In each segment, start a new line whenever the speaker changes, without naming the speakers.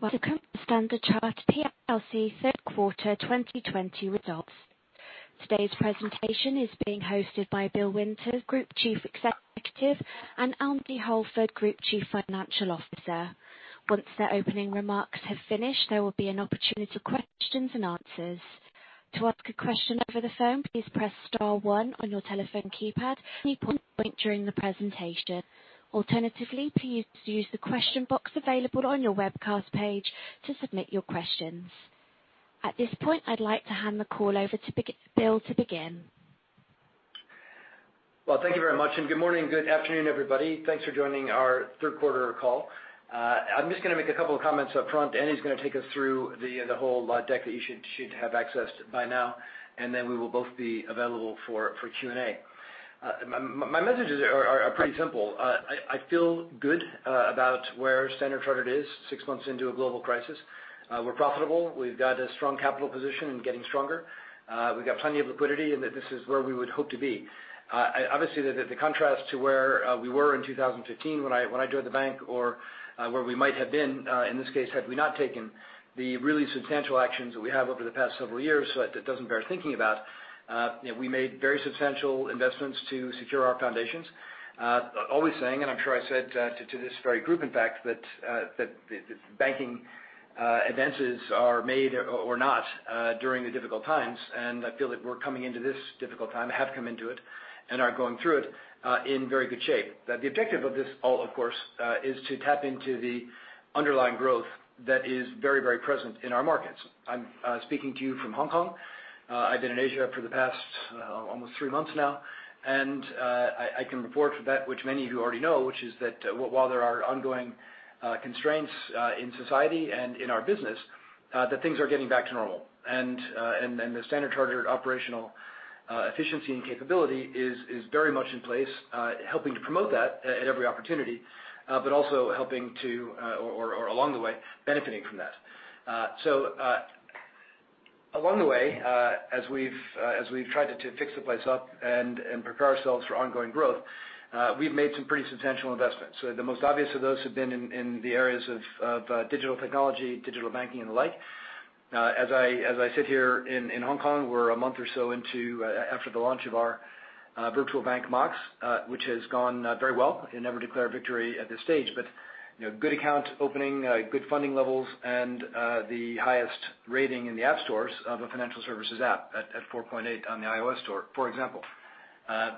Welcome to Standard Chartered PLC third quarter 2020 results. Today's presentation is being hosted by Bill Winters, Group Chief Executive, and Andy Halford, Group Chief Financial Officer. Once their opening remarks have finished, there will be an opportunity for questions and answers. To ask a question over the phone, please press star one on your telephone keypad any point during the presentation. Alternatively, please use the question box available on your webcast page to submit your questions. At this point, I'd like to hand the call over to Bill to begin.
Well, thank you very much, good morning, good afternoon, everybody. Thanks for joining our third quarter call. I'm just going to make a couple of comments up front. Andy's going to take us through the whole deck that you should have accessed by now, and then we will both be available for Q&A. My messages are pretty simple. I feel good about where Standard Chartered is six months into a global crisis. We're profitable. We've got a strong capital position and getting stronger. We've got plenty of liquidity, and this is where we would hope to be. Obviously, the contrast to where we were in 2015 when I joined the bank or where we might have been, in this case, had we not taken the really substantial actions that we have over the past several years, so that doesn't bear thinking about. We made very substantial investments to secure our foundations. Always saying, and I'm sure I said to this very group, in fact, that banking advances are made or not during the difficult times. I feel that we're coming into this difficult time, have come into it, and are going through it in very good shape. The objective of this all, of course, is to tap into the underlying growth that is very, very present in our markets. I'm speaking to you from Hong Kong. I've been in Asia for the past almost three months now, and I can report that which many of you already know, which is that while there are ongoing constraints in society and in our business, that things are getting back to normal. The Standard Chartered operational efficiency and capability is very much in place, helping to promote that at every opportunity, but also helping to or along the way, benefiting from that. Along the way, as we've tried to fix the place up and prepare ourselves for ongoing growth, we've made some pretty substantial investments. The most obvious of those have been in the areas of digital technology, digital banking, and the like. As I sit here in Hong Kong, we're a month or so after the launch of our virtual bank, Mox, which has gone very well. It never declare victory at this stage. Good account opening, good funding levels, and the highest rating in the app stores of a financial services app at 4.8 on the iOS store, for example.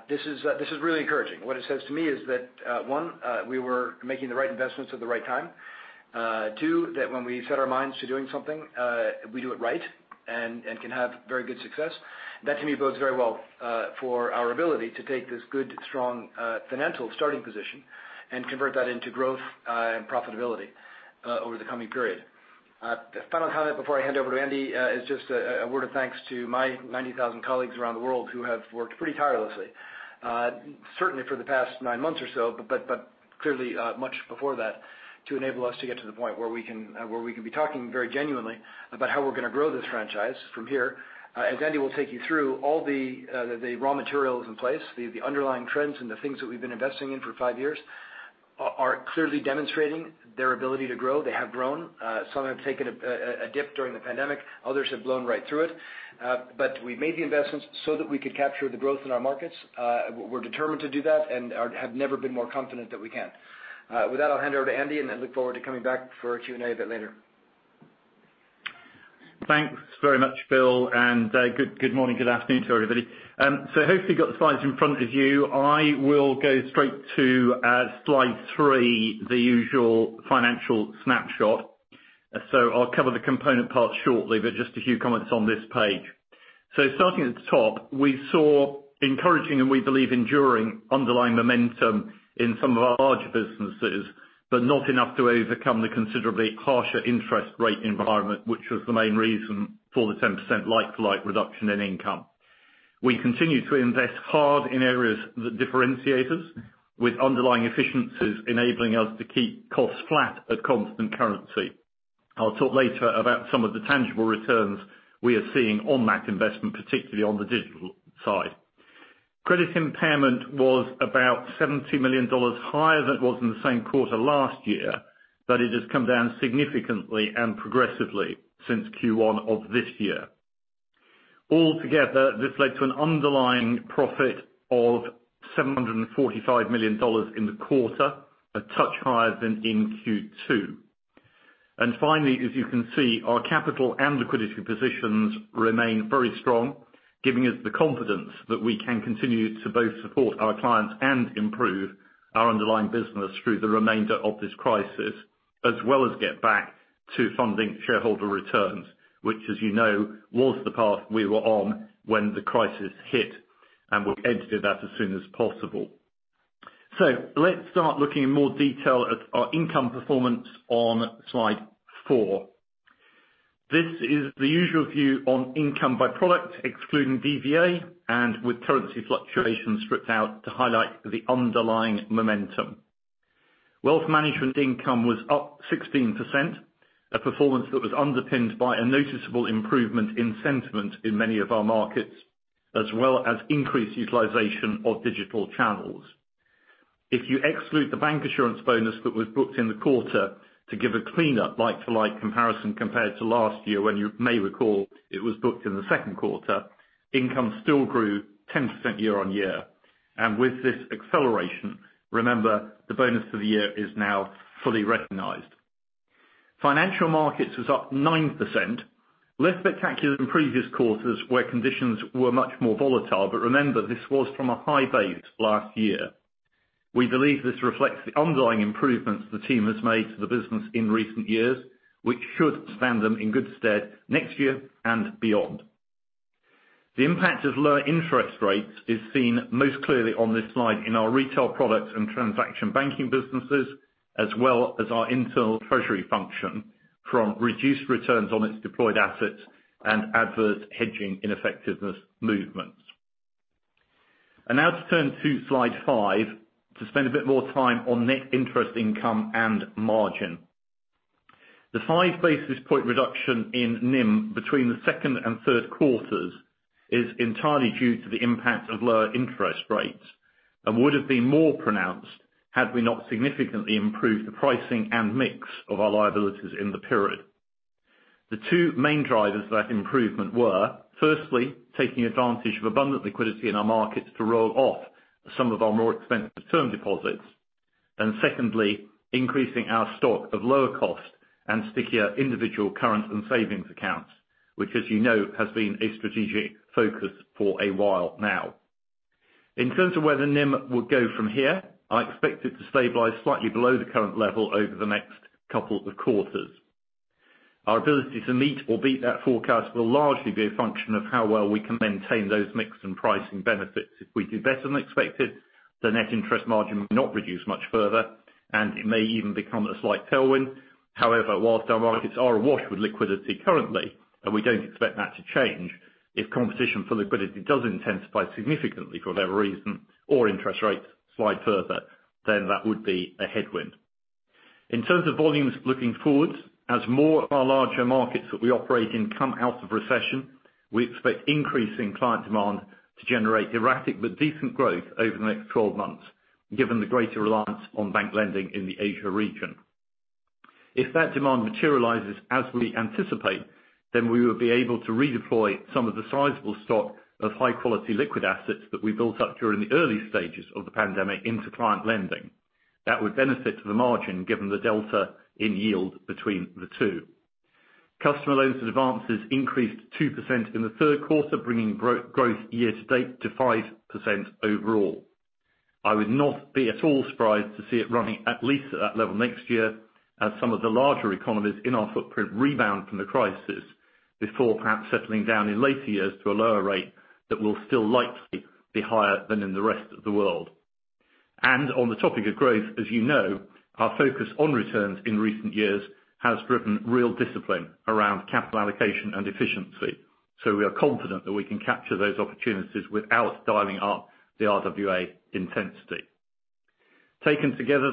This is really encouraging. What it says to me is that, one, we were making the right investments at the right time. Two, that when we set our minds to doing something, we do it right and can have very good success. That, to me, bodes very well for our ability to take this good, strong financial starting position and convert that into growth and profitability over the coming period. A final comment before I hand over to Andy is just a word of thanks to my 90,000 colleagues around the world who have worked pretty tirelessly. Certainly for the past nine months or so, but clearly much before that, to enable us to get to the point where we can be talking very genuinely about how we're going to grow this franchise from here. As Andy will take you through, all the raw material is in place. The underlying trends and the things that we've been investing in for five years are clearly demonstrating their ability to grow. They have grown. Some have taken a dip during the pandemic, others have blown right through it. We made the investments so that we could capture the growth in our markets. We're determined to do that and have never been more confident that we can. With that, I'll hand over to Andy, and I look forward to coming back for a Q&A a bit later.
Thanks very much, Bill. Good morning, good afternoon to everybody. Hopefully you've got the slides in front of you. I will go straight to slide three, the usual financial snapshot. I'll cover the component parts shortly, just a few comments on this page. Starting at the top, we saw encouraging, and we believe, enduring underlying momentum in some of our larger businesses, but not enough to overcome the considerably harsher interest rate environment, which was the main reason for the 10% like-to-like reduction in income. We continue to invest hard in areas that differentiate us with underlying efficiencies enabling us to keep costs flat at constant currency. I'll talk later about some of the tangible returns we are seeing on that investment, particularly on the digital side. Credit impairment was about $70 million higher than it was in the same quarter last year, but it has come down significantly and progressively since Q1 of this year. All together, this led to an underlying profit of $745 million in the quarter, a touch higher than in Q2. Finally, as you can see, our capital and liquidity positions remain very strong, giving us the confidence that we can continue to both support our clients and improve our underlying business through the remainder of this crisis, as well as get back to funding shareholder returns, which, as you know, was the path we were on when the crisis hit, and we'll exit that as soon as possible. Let's start looking in more detail at our income performance on slide four. This is the usual view on income by product, excluding DVA and with currency fluctuations stripped out to highlight the underlying momentum. Wealth management income was up 16%, a performance that was underpinned by a noticeable improvement in sentiment in many of our markets, as well as increased utilization of digital channels. If you exclude the bank assurance bonus that was booked in the quarter to give a cleanup like-for-like comparison compared to last year, when you may recall it was booked in the second quarter, income still grew 10% year-on-year. With this acceleration, remember, the bonus for the year is now fully recognized. Financial markets was up 9%, less spectacular than previous quarters where conditions were much more volatile. Remember, this was from a high base last year. We believe this reflects the ongoing improvements the team has made to the business in recent years, which should stand them in good stead next year and beyond. The impact of lower interest rates is seen most clearly on this slide in our retail products and transaction banking businesses, as well as our internal treasury function from reduced returns on its deployed assets and adverse hedging ineffectiveness movements. Now to turn to slide five to spend a bit more time on net interest income and margin. The five basis point reduction in NIM between the second and third quarters is entirely due to the impact of lower interest rates, and would have been more pronounced had we not significantly improved the pricing and mix of our liabilities in the period. The two main drivers of that improvement were, firstly, taking advantage of abundant liquidity in our markets to roll off some of our more expensive term deposits, and secondly, increasing our stock of lower cost and stickier individual current and savings accounts, which, as you know, has been a strategic focus for a while now. In terms of where the NIM will go from here, I expect it to stabilize slightly below the current level over the next couple of quarters. Our ability to meet or beat that forecast will largely be a function of how well we can maintain those mix and pricing benefits. If we do better than expected, the net interest margin will not reduce much further, and it may even become a slight tailwind. However, whilst our markets are awash with liquidity currently, and we don't expect that to change, if competition for liquidity does intensify significantly for whatever reason, or interest rates slide further, then that would be a headwind. In terms of volumes looking forward, as more of our larger markets that we operate in come out of recession, we expect increasing client demand to generate erratic but decent growth over the next 12 months, given the greater reliance on bank lending in the Asia region. If that demand materializes as we anticipate, then we will be able to redeploy some of the sizable stock of high-quality liquid assets that we built up during the early stages of the pandemic into client lending. That would benefit the margin, given the delta in yield between the two. Customer loans and advances increased 2% in the third quarter, bringing growth year to date to 5% overall. I would not be at all surprised to see it running at least at that level next year as some of the larger economies in our footprint rebound from the crisis before perhaps settling down in later years to a lower rate that will still likely be higher than in the rest of the world. On the topic of growth, as you know, our focus on returns in recent years has driven real discipline around capital allocation and efficiency. We are confident that we can capture those opportunities without dialing up the RWA intensity. Taken together,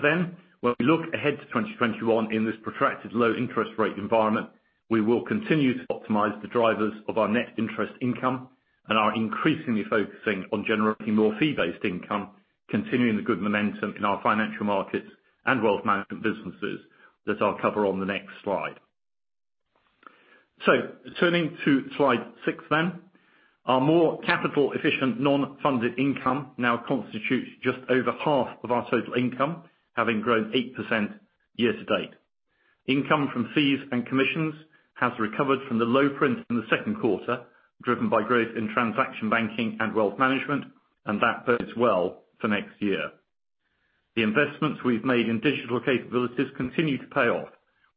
when we look ahead to 2021 in this protracted low interest rate environment, we will continue to optimize the drivers of our net interest income and are increasingly focusing on generating more fee-based income, continuing the good momentum in our financial markets and wealth management businesses that I'll cover on the next slide. Turning to slide six. Our more capital efficient non-funded income now constitutes just over half of our total income, having grown 8% year to date. Income from fees and commissions has recovered from the low print in the second quarter, driven by growth in transaction banking and wealth management, that bodes well for next year. The investments we've made in digital capabilities continue to pay off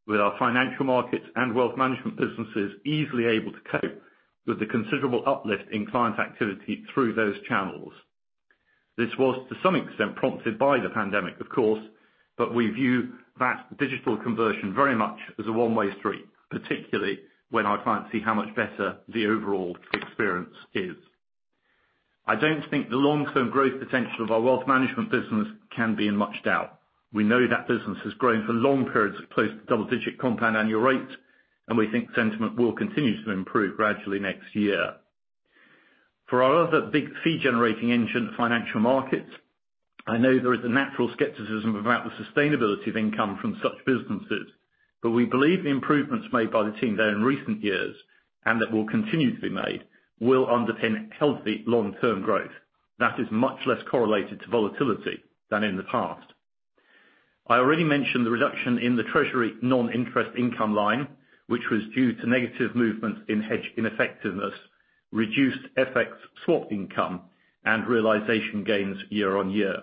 with our financial markets and wealth management businesses easily able to cope with the considerable uplift in client activity through those channels. This was to some extent prompted by the pandemic, of course, but we view that digital conversion very much as a one-way street, particularly when our clients see how much better the overall experience is. I don't think the long-term growth potential of our wealth management business can be in much doubt. We know that business has grown for long periods at close to double digit compound annual rate, and we think sentiment will continue to improve gradually next year. For our other big fee generating engine, financial markets, I know there is a natural skepticism about the sustainability of income from such businesses, but we believe the improvements made by the team there in recent years, and that will continue to be made, will underpin healthy long-term growth that is much less correlated to volatility than in the past. I already mentioned the reduction in the treasury non-interest income line, which was due to negative movements in hedge ineffectiveness, reduced FX swap income, and realization gains year-on-year.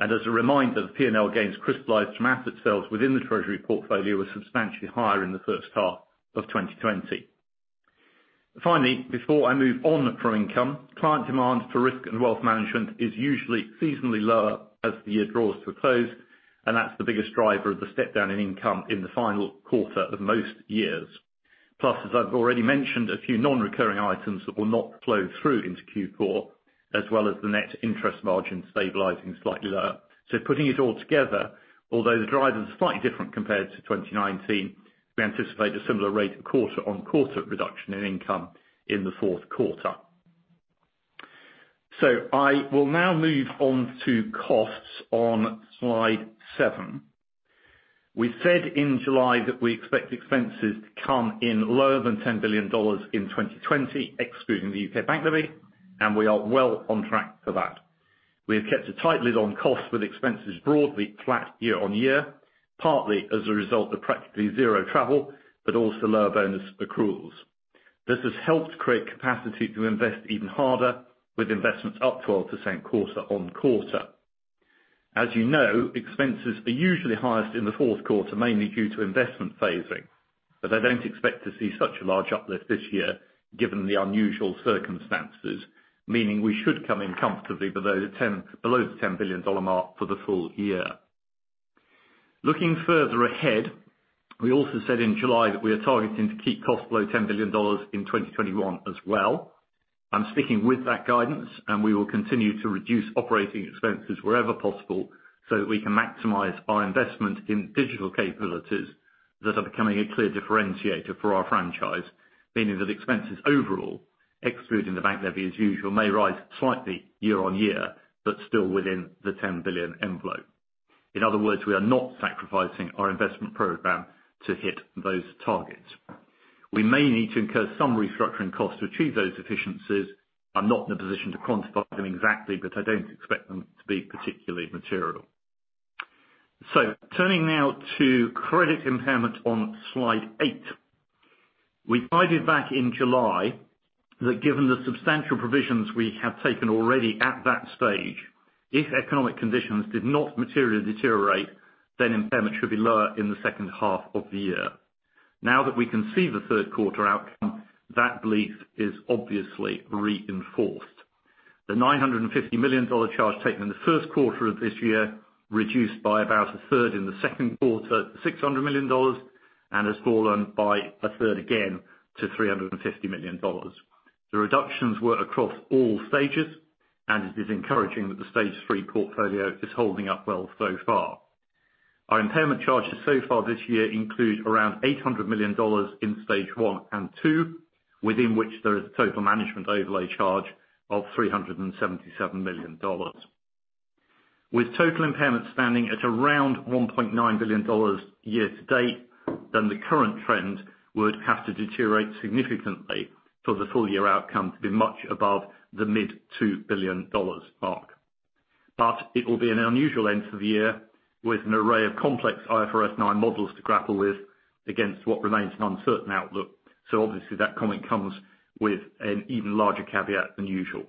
As a reminder, the P&L gains crystallized from asset sales within the treasury portfolio were substantially higher in the first half of 2020. Finally, before I move on from income, client demand for risk and wealth management is usually seasonally lower as the year draws to a close, and that's the biggest driver of the step down in income in the final quarter of most years. As I've already mentioned, a few non-recurring items that will not flow through into Q4, as well as the net interest margin stabilizing slightly lower. Putting it all together, although the drivers are slightly different compared to 2019, we anticipate a similar rate of quarter-on-quarter reduction in income in the fourth quarter. I will now move on to costs on slide seven. We said in July that we expect expenses to come in lower than $10 billion in 2020, excluding the U.K. bank levy, and we are well on track for that. We have kept a tight lid on costs, with expenses broadly flat year-on-year, partly as a result of practically zero travel, but also lower bonus accruals. This has helped create capacity to invest even harder with investments up 12% quarter-on-quarter. As you know, expenses are usually highest in the fourth quarter, mainly due to investment phasing. I don't expect to see such a large uplift this year given the unusual circumstances, meaning we should come in comfortably below the $10 billion mark for the full year. Looking further ahead, we also said in July that we are targeting to keep costs below $10 billion in 2021 as well. I'm sticking with that guidance, and we will continue to reduce operating expenses wherever possible, so that we can maximize our investment in digital capabilities that are becoming a clear differentiator for our franchise. Meaning that expenses overall, excluding the bank levy as usual, may rise slightly year-on-year, but still within the $10 billion envelope. In other words, we are not sacrificing our investment program to hit those targets. We may need to incur some restructuring costs to achieve those efficiencies. I'm not in a position to quantify them exactly, but I don't expect them to be particularly material. Turning now to credit impairment on Slide 8. We guided back in July that given the substantial provisions we have taken already at that stage, if economic conditions did not materially deteriorate, then impairment should be lower in the second half of the year. That we can see the third quarter outcome, that belief is obviously reinforced. The $950 million charge taken in the first quarter of this year, reduced by about a third in the second quarter, $600 million, and has fallen by a third again to $350 million. The reductions were across all stages, and it is encouraging that the stage 3 portfolio is holding up well so far. Our impairment charges so far this year include around $800 million in stage 1 and 2, within which there is a total management overlay charge of $377 million. With total impairments standing at around $1.9 billion year to date, the current trend would have to deteriorate significantly for the full year outcome to be much above the mid $2 billion mark. It will be an unusual end to the year with an array of complex IFRS 9 models to grapple with against what remains an uncertain outlook. Obviously that comment comes with an even larger caveat than usual.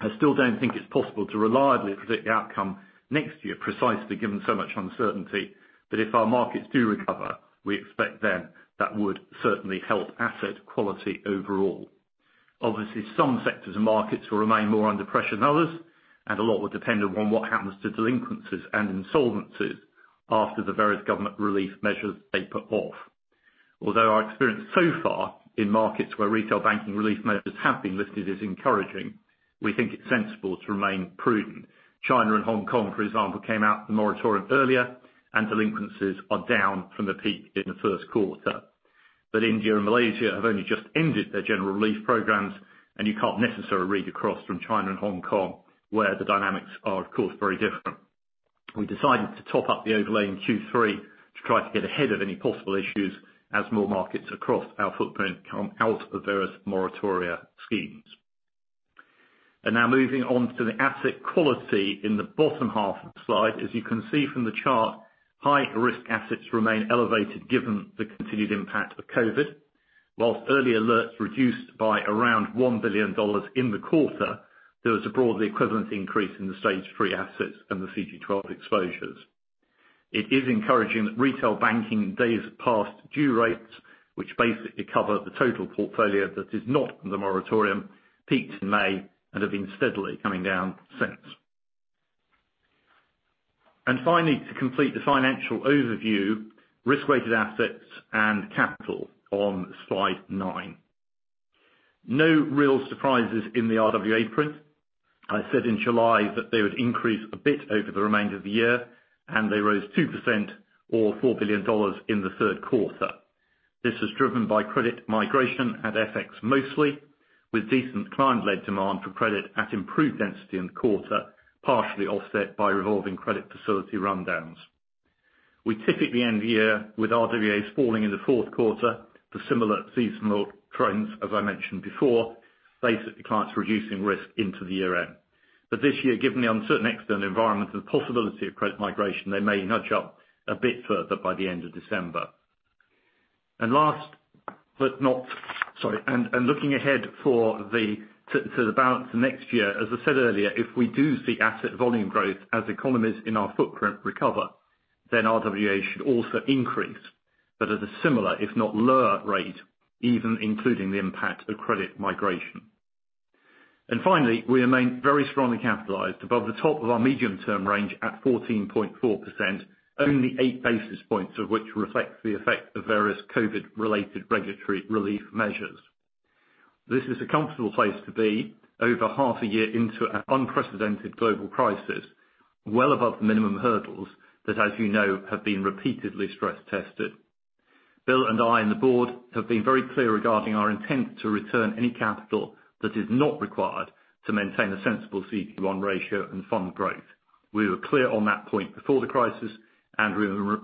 I still don't think it's possible to reliably predict the outcome next year precisely given so much uncertainty. If our markets do recover, we expect then that would certainly help asset quality overall. Some sectors and markets will remain more under pressure than others, and a lot will depend upon what happens to delinquencies and insolvencies after the various government relief measures they put off. Our experience so far in markets where retail banking relief measures have been lifted is encouraging, we think it's sensible to remain prudent. China and Hong Kong, for example, came out of the moratorium earlier and delinquencies are down from the peak in the first quarter. India and Malaysia have only just ended their general relief programs, and you can't necessarily read across from China and Hong Kong, where the dynamics are, of course, very different. We decided to top up the overlay in Q3 to try to get ahead of any possible issues as more markets across our footprint come out of various moratoria schemes. Now moving on to the asset quality in the bottom half of the slide. As you can see from the chart, high-risk assets remain elevated given the continued impact of COVID. Whilst early alerts reduced by around $1 billion in the quarter, there was a broadly equivalent increase in the stage 3 assets and the CG12 exposures. It is encouraging that retail banking days past due rates, which basically cover the total portfolio that is not in the moratorium, peaked in May and have been steadily coming down since. Finally, to complete the financial overview, risk-weighted assets and capital on Slide nine. No real surprises in the RWA print. I said in July that they would increase a bit over the remainder of the year, and they rose 2% or $4 billion in the third quarter. This was driven by credit migration and FX mostly, with decent client-led demand for credit at improved NII in the quarter, partially offset by revolving credit facility rundowns. We typically end the year with RWAs falling in the fourth quarter for similar seasonal trends as I mentioned before. Basically, clients reducing risk into the year end. This year, given the uncertain external environment and possibility of credit migration, they may nudge up a bit further by the end of December. Sorry. Looking ahead to the balance next year, as I said earlier, if we do see asset volume growth as economies in our footprint recover, then RWA should also increase, but at a similar, if not lower rate, even including the impact of credit migration. Finally, we remain very strongly capitalized above the top of our medium-term range at 14.4%, only eight basis points of which reflects the effect of various COVID-related regulatory relief measures. This is a comfortable place to be over half a year into an unprecedented global crisis, well above the minimum hurdles that, as you know, have been repeatedly stress tested. Bill and I, and the board, have been very clear regarding our intent to return any capital that is not required to maintain a sensible CET1 ratio and fund growth. We were clear on that point before the crisis.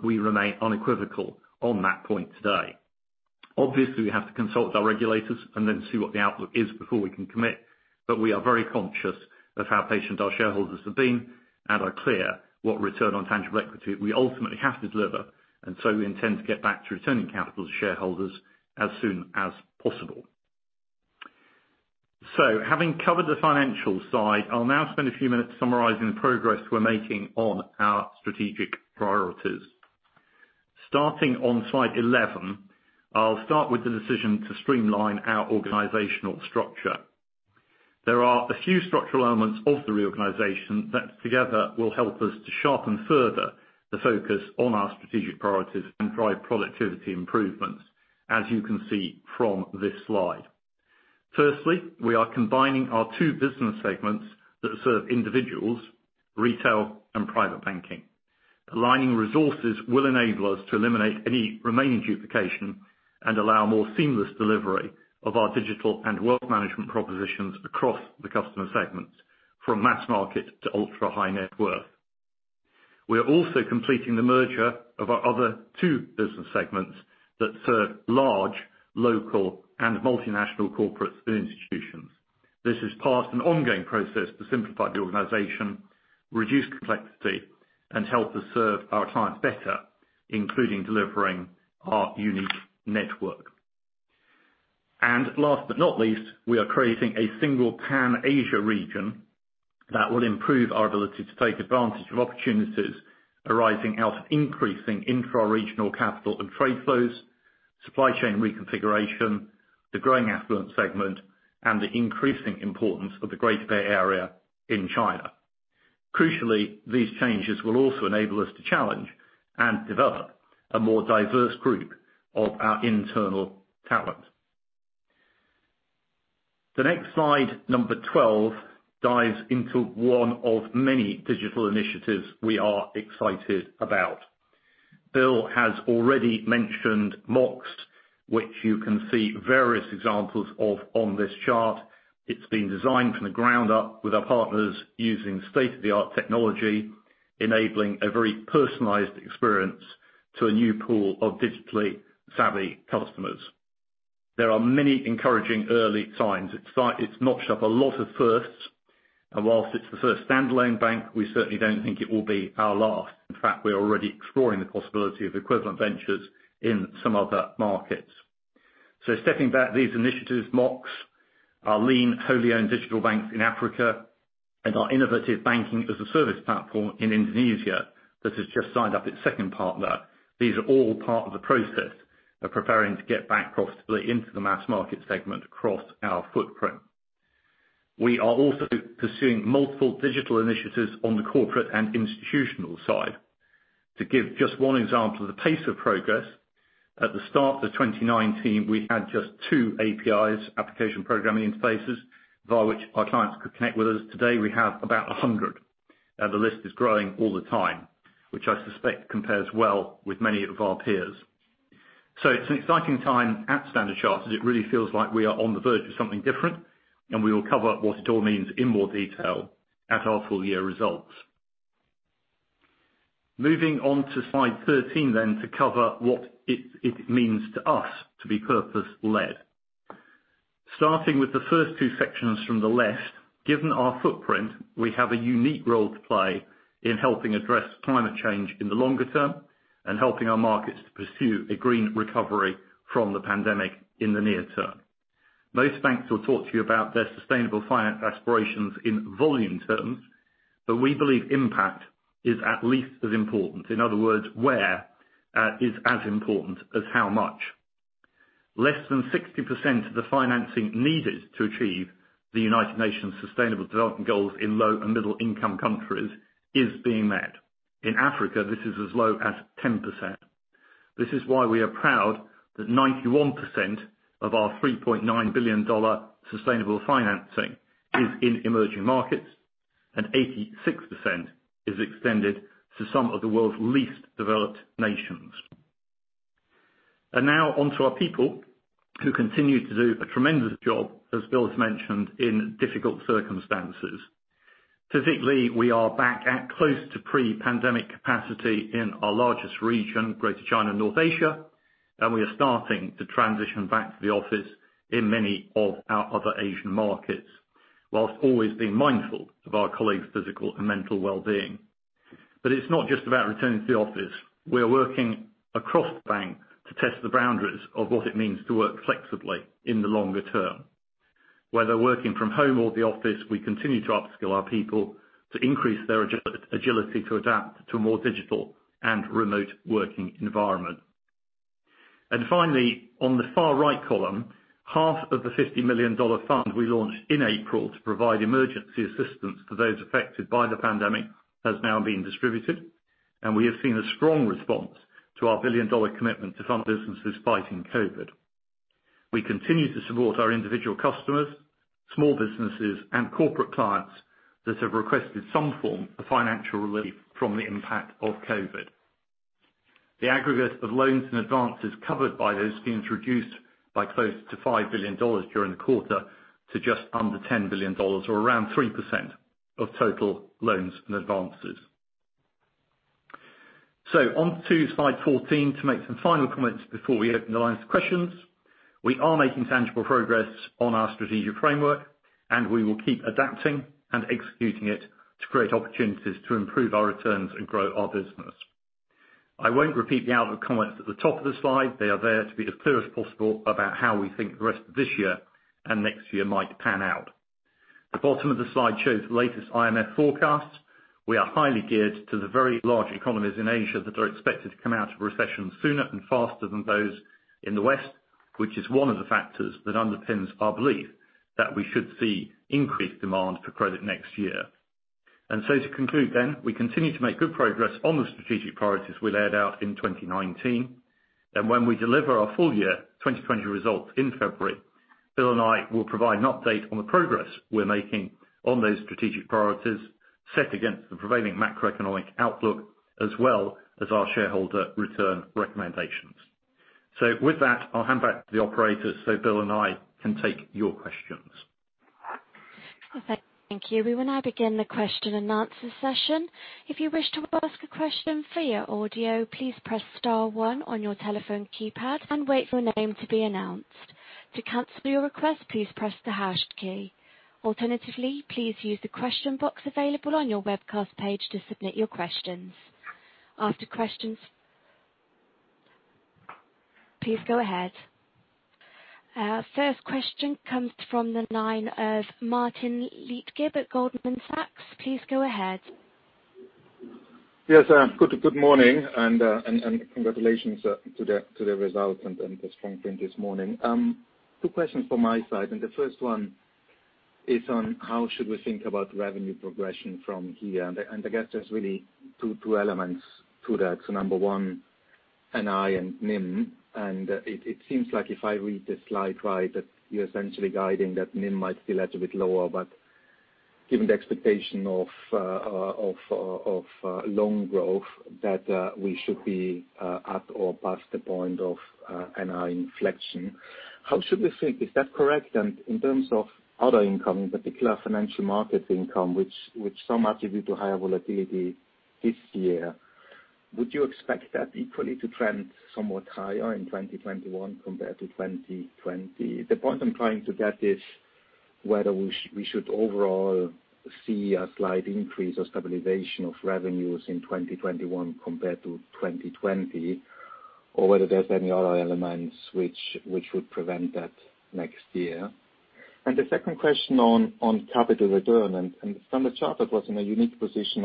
We remain unequivocal on that point today. We have to consult our regulators and then see what the outlook is before we can commit, but we are very conscious of how patient our shareholders have been, and are clear what return on tangible equity we ultimately have to deliver. We intend to get back to returning capital to shareholders as soon as possible. Having covered the financial side, I'll now spend a few minutes summarizing the progress we're making on our strategic priorities. Starting on slide 11, I'll start with the decision to streamline our organizational structure. There are a few structural elements of the reorganization that together will help us to sharpen further the focus on our strategic priorities and drive productivity improvements, as you can see from this slide. Firstly, we are combining our two business segments that serve individuals, retail, and private banking. Aligning resources will enable us to eliminate any remaining duplication and allow more seamless delivery of our digital and wealth management propositions across the customer segments, from mass market to ultra-high net worth. We are also completing the merger of our other two business segments that serve large, local, and multinational corporates and institutions. This is part of an ongoing process to simplify the organization, reduce complexity, and help us serve our clients better, including delivering our unique network. Last but not least, we are creating a single Pan Asia region that will improve our ability to take advantage of opportunities arising out of increasing intra-regional capital and trade flows, supply chain reconfiguration, the growing affluent segment, and the increasing importance of the Greater Bay Area in China. Crucially, these changes will also enable us to challenge and develop a more diverse group of our internal talent. The next slide, number 12, dives into one of many digital initiatives we are excited about. Bill has already mentioned Mox, which you can see various examples of on this chart. It's been designed from the ground up with our partners using state-of-the-art technology, enabling a very personalized experience to a new pool of digitally savvy customers. There are many encouraging early signs. It's notched up a lot of firsts. Whilst it's the first standalone bank, we certainly don't think it will be our last. We are already exploring the possibility of equivalent ventures in some other markets. Stepping back these initiatives, Mox, our lean wholly-owned digital banks in Africa, and our innovative banking as a service platform in Indonesia that has just signed up its second partner. These are all part of the process of preparing to get back profitability into the mass market segment across our footprint. We are also pursuing multiple digital initiatives on the corporate and institutional side. To give just one example of the pace of progress, at the start of 2019, we had just two APIs, application programming interfaces, via which our clients could connect with us. Today, we have about 100, and the list is growing all the time, which I suspect compares well with many of our peers. It's an exciting time at Standard Chartered. It really feels like we are on the verge of something different, and we will cover what it all means in more detail at our full-year results. Moving on to slide 13 to cover what it means to us to be purpose-led. Starting with the first two sections from the left, given our footprint, we have a unique role to play in helping address climate change in the longer term and helping our markets to pursue a green recovery from the pandemic in the near term. Most banks will talk to you about their sustainable finance aspirations in volume terms, but we believe impact is at least as important. In other words, where is as important as how much. Less than 60% of the financing needed to achieve the United Nations Sustainable Development Goals in low and middle income countries is being met. In Africa, this is as low as 10%. This is why we are proud that 91% of our $3.9 billion sustainable financing is in emerging markets, and 86% is extended to some of the world's least developed nations. Now on to our people, who continue to do a tremendous job, as Bill has mentioned, in difficult circumstances. Physically, we are back at close to pre-pandemic capacity in our largest region, Greater China and North Asia, and we are starting to transition back to the office in many of our other Asian markets, whilst always being mindful of our colleagues' physical and mental well-being. It's not just about returning to the office. We are working across the bank to test the boundaries of what it means to work flexibly in the longer term. Whether working from home or the office, we continue to upskill our people to increase their agility to adapt to a more digital and remote working environment. Finally, on the far right column, half of the $50 million fund we launched in April to provide emergency assistance to those affected by the pandemic has now been distributed. We have seen a strong response to our billion-dollar commitment to fund businesses fighting COVID. We continue to support our individual customers, small businesses, and corporate clients that have requested some form of financial relief from the impact of COVID. The aggregate of loans and advances covered by those schemes reduced by close to $5 billion during the quarter to just under $10 billion, or around 3% of total loans and advances. On to slide 14 to make some final comments before we open the lines for questions. We are making tangible progress on our strategic framework, and we will keep adapting and executing it to create opportunities to improve our returns and grow our business. I won't repeat the other comments at the top of the slide. They are there to be as clear as possible about how we think the rest of this year and next year might pan out. The bottom of the slide shows the latest IMF forecasts. We are highly geared to the very large economies in Asia that are expected to come out of recession sooner and faster than those in the West, which is one of the factors that underpins our belief that we should see increased demand for credit next year. To conclude, we continue to make good progress on the strategic priorities we laid out in 2019. When we deliver our full year 2020 results in February, Bill and I will provide an update on the progress we're making on those strategic priorities set against the prevailing macroeconomic outlook as well as our shareholder return recommendations. With that, I'll hand back to the operator so Bill and I can take your questions.
Well, thank you. We will now begin the question and answer session. If you wish to ask a question via audio, please press star one on your telephone keypad and wait for your name to be announced. To cancel your request, please press the hash key. Alternatively, please use the question box available on your webcast page to submit your questions. After questions Please go ahead. Our first question comes from the line of Martin Leitgeb at Goldman Sachs. Please go ahead.
Yes. Good morning. Congratulations to the results and the strength in this morning. Two questions from my side. The first one is on how should we think about revenue progression from here? I guess there's really two elements to that. Number 1, NI and NIM, and it seems like if I read the slide right, that you're essentially guiding that NIM might still edge a bit lower, but given the expectation of loan growth that we should be at or past the point of NI inflection. How should we think? Is that correct? In terms of other income, in particular financial market income, which some attribute to higher volatility this year, would you expect that equally to trend somewhat higher in 2021 compared to 2020? The point I'm trying to get is whether we should overall see a slight increase or stabilization of revenues in 2021 compared to 2020, or whether there's any other elements which would prevent that next year. The second question on capital return. Standard Chartered was in a unique position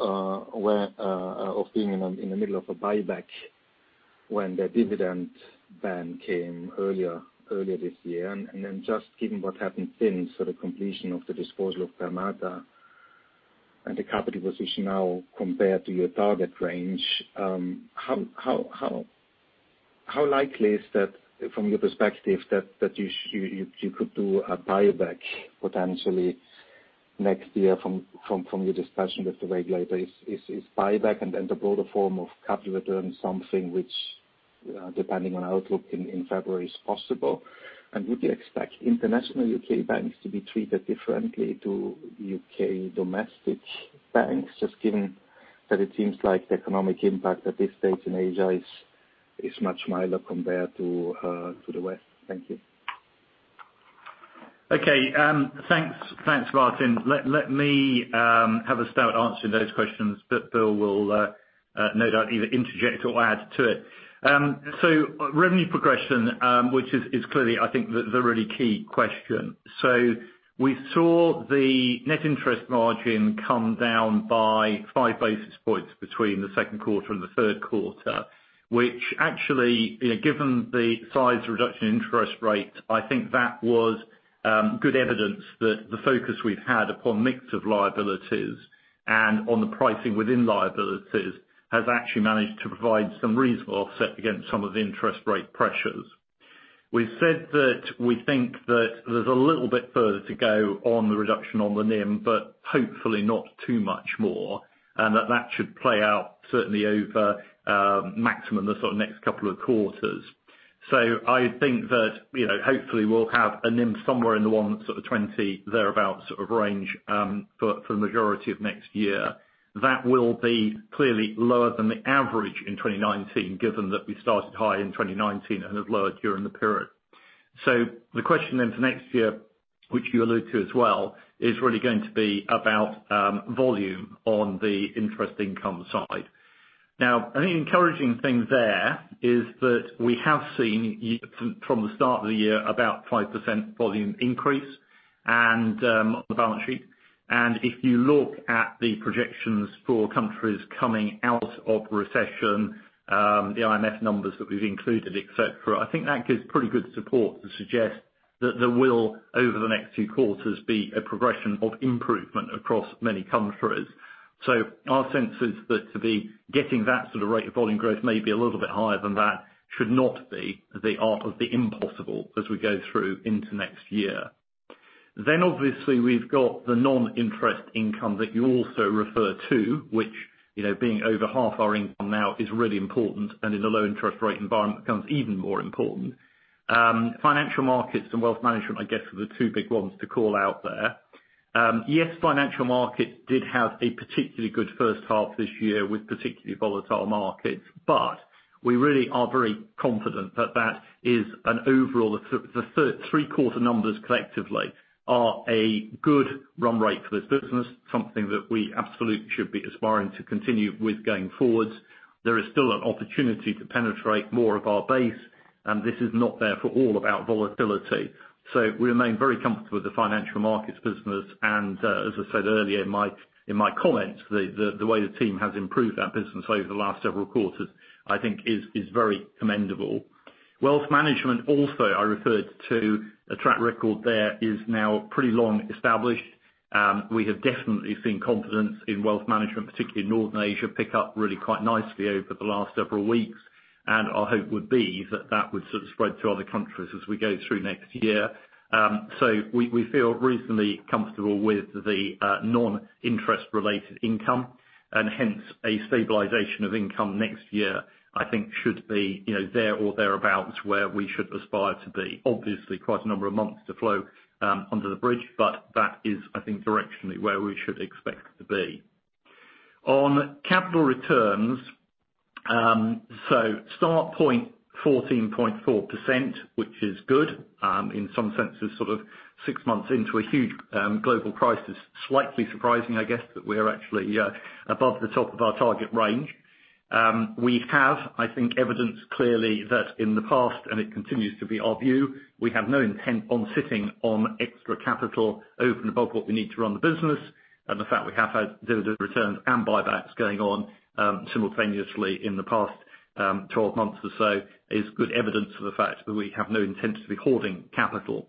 of being in the middle of a buyback when the dividend ban came earlier this year. Just given what happened since sort of completion of the disposal of Permata and the capital position now compared to your target range, how likely is that from your perspective that you could do a buyback potentially next year from your discussion with the regulator? Is buyback and then the broader form of capital return something which, depending on outlook in February, is possible? Would you expect international U.K. banks to be treated differently to U.K. domestic banks, just given that it seems like the economic impact at this stage in Asia is much milder compared to the West? Thank you.
Okay. Thanks, Martin. Let me have a stab at answering those questions that Bill will no doubt either interject or add to it. Revenue progression, which is clearly I think the really key question. We saw the net interest margin come down by five basis points between the second quarter and the third quarter, which actually, given the size reduction interest rate, I think that was good evidence that the focus we've had upon mix of liabilities and on the pricing within liabilities has actually managed to provide some reasonable offset against some of the interest rate pressures. We've said that we think that there's a little bit further to go on the reduction on the NIM, but hopefully not too much more, and that that should play out certainly over maximum the sort of next couple of quarters. I think that hopefully we'll have a NIM somewhere in the one sort of 20 thereabout sort of range, for the majority of next year. That will be clearly lower than the average in 2019, given that we started high in 2019 and have lowered during the period. The question then for next year, which you allude to as well, is really going to be about volume on the interest income side. Now, I think the encouraging thing there is that we have seen from the start of the year about 5% volume increase on the balance sheet. If you look at the projections for countries coming out of recession, the IMF numbers that we've included, et cetera, I think that gives pretty good support to suggest that there will, over the next two quarters, be a progression of improvement across many countries. Our sense is that to be getting that sort of rate of volume growth may be a little bit higher than that should not be the art of the impossible as we go through into next year. Obviously we've got the non-interest income that you also refer to, which being over half our income now, is really important, and in a low interest rate environment becomes even more important. Financial markets and wealth management, I guess, are the two big ones to call out there. Yes, financial markets did have a particularly good first half this year with particularly volatile markets, but we really are very confident that that is an overall, the three quarter numbers collectively are a good run rate for this business, something that we absolutely should be aspiring to continue with going forward. There is still an opportunity to penetrate more of our base, and this is not therefore all about volatility. We remain very comfortable with the financial markets business. As I said earlier in my comments, the way the team has improved that business over the last several quarters, I think is very commendable. Wealth management also, I referred to a track record there is now pretty long established. We have definitely seen confidence in wealth management, particularly in Northern Asia, pick up really quite nicely over the last several weeks. Our hope would be that that would sort of spread to other countries as we go through next year. We feel reasonably comfortable with the non-interest related income and hence a stabilization of income next year, I think should be there or thereabout where we should aspire to be. Obviously quite a number of months to flow under the bridge, but that is, I think, directionally where we should expect to be. On capital returns. Start point 14.4%, which is good. In some senses, sort of six months into a huge global crisis. Slightly surprising, I guess, that we're actually above the top of our target range. We have, I think, evidenced clearly that in the past, and it continues to be our view, we have no intent on sitting on extra capital over and above what we need to run the business. The fact we have had dividend returns and buybacks going on simultaneously in the past 12 months or so is good evidence of the fact that we have no intent to be hoarding capital.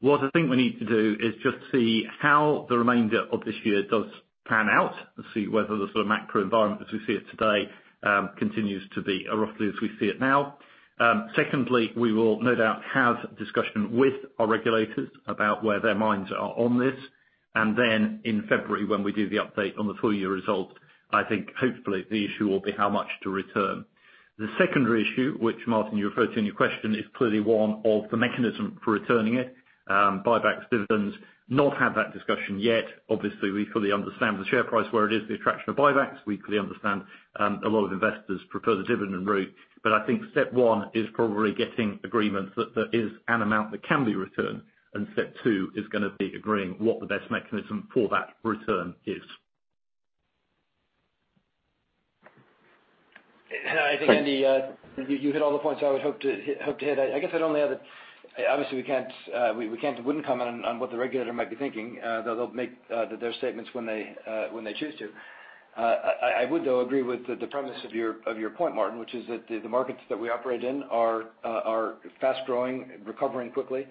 What I think we need to do is just see how the remainder of this year does pan out and see whether the sort of macro environment as we see it today continues to be roughly as we see it now. Secondly, we will no doubt have discussion with our regulators about where their minds are on this. Then in February when we do the update on the full year results, I think hopefully the issue will be how much to return. The secondary issue, which Martin you referred to in your question, is clearly one of the mechanism for returning it. Buybacks, dividends, not had that discussion yet. Obviously we fully understand the share price, where it is, the attraction of buybacks. We clearly understand a lot of investors prefer the dividend route. I think step 1 is probably getting agreement that there is an amount that can be returned, and step 2 is going to be agreeing what the best mechanism for that return is.
I think, Andy, you hit all the points I would hope to hit. I guess I'd only add that obviously we can't and wouldn't comment on what the regulator might be thinking. They'll make their statements when they choose to. I would though agree with the premise of your point, Martin, which is that the markets that we operate in are fast-growing, recovering quickly.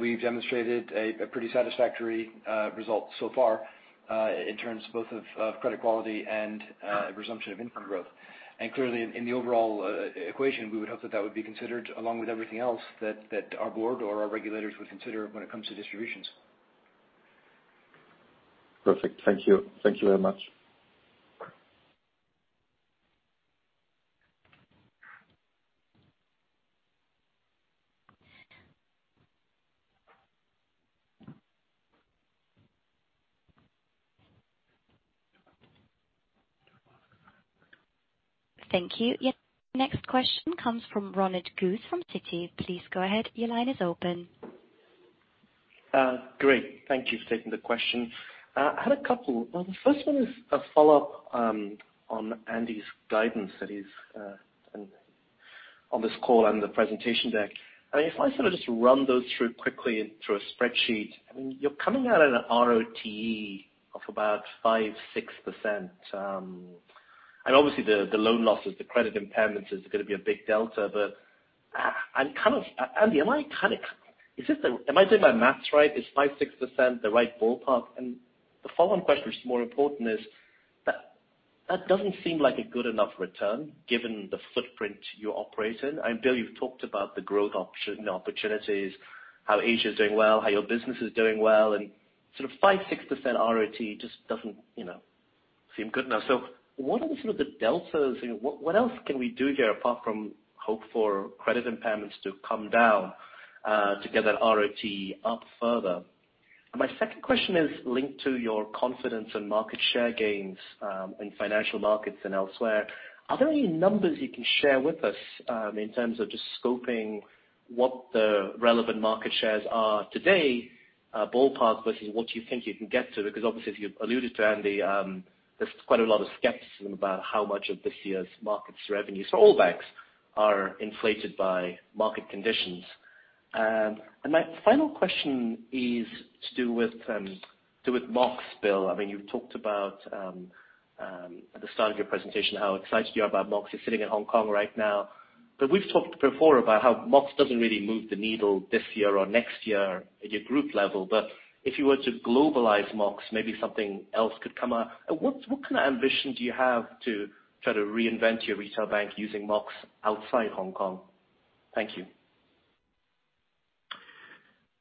We've demonstrated a pretty satisfactory result so far, in terms both of credit quality and resumption of income growth. Clearly in the overall equation, we would hope that that would be considered along with everything else that our board or our regulators would consider when it comes to distributions.
Perfect. Thank you. Thank you very much.
Thank you. Your next question comes from Ronit Ghose from Citi. Please go ahead. Your line is open.
Great. Thank you for taking the question. I had a couple. Well, the first one is a follow-up on Andy's guidance studies on this call and the presentation deck. If I sort of just run those through quickly through a spreadsheet, you're coming out at an ROTE of about 5%, 6%, and obviously the loan losses, the credit impairments is going to be a big delta. Andy, am I doing my math right? Is 5%, 6% the right ballpark? The follow-on question, which is more important is, that doesn't seem like a good enough return given the footprint you operate in. I know you've talked about the growth opportunities, how Asia is doing well, how your business is doing well, and sort of 5%, 6% ROTE just doesn't seem good enough. What are the sort of the deltas? What else can we do here apart from hope for credit impairments to come down to get that ROTE up further? My second question is linked to your confidence in market share gains in financial markets and elsewhere. Are there any numbers you can share with us in terms of just scoping what the relevant market shares are today, ballpark versus what you think you can get to? Obviously as you've alluded to, Andy, there's quite a lot of skepticism about how much of this year's markets revenue for all banks are inflated by market conditions. My final question is to do with Mox, Bill. You talked about, at the start of your presentation, how excited you are about Mox. You're sitting in Hong Kong right now. We've talked before about how Mox doesn't really move the needle this year or next year at your group level. If you were to globalize Mox, maybe something else could come out. What kind of ambition do you have to try to reinvent your retail bank using Mox outside Hong Kong? Thank you.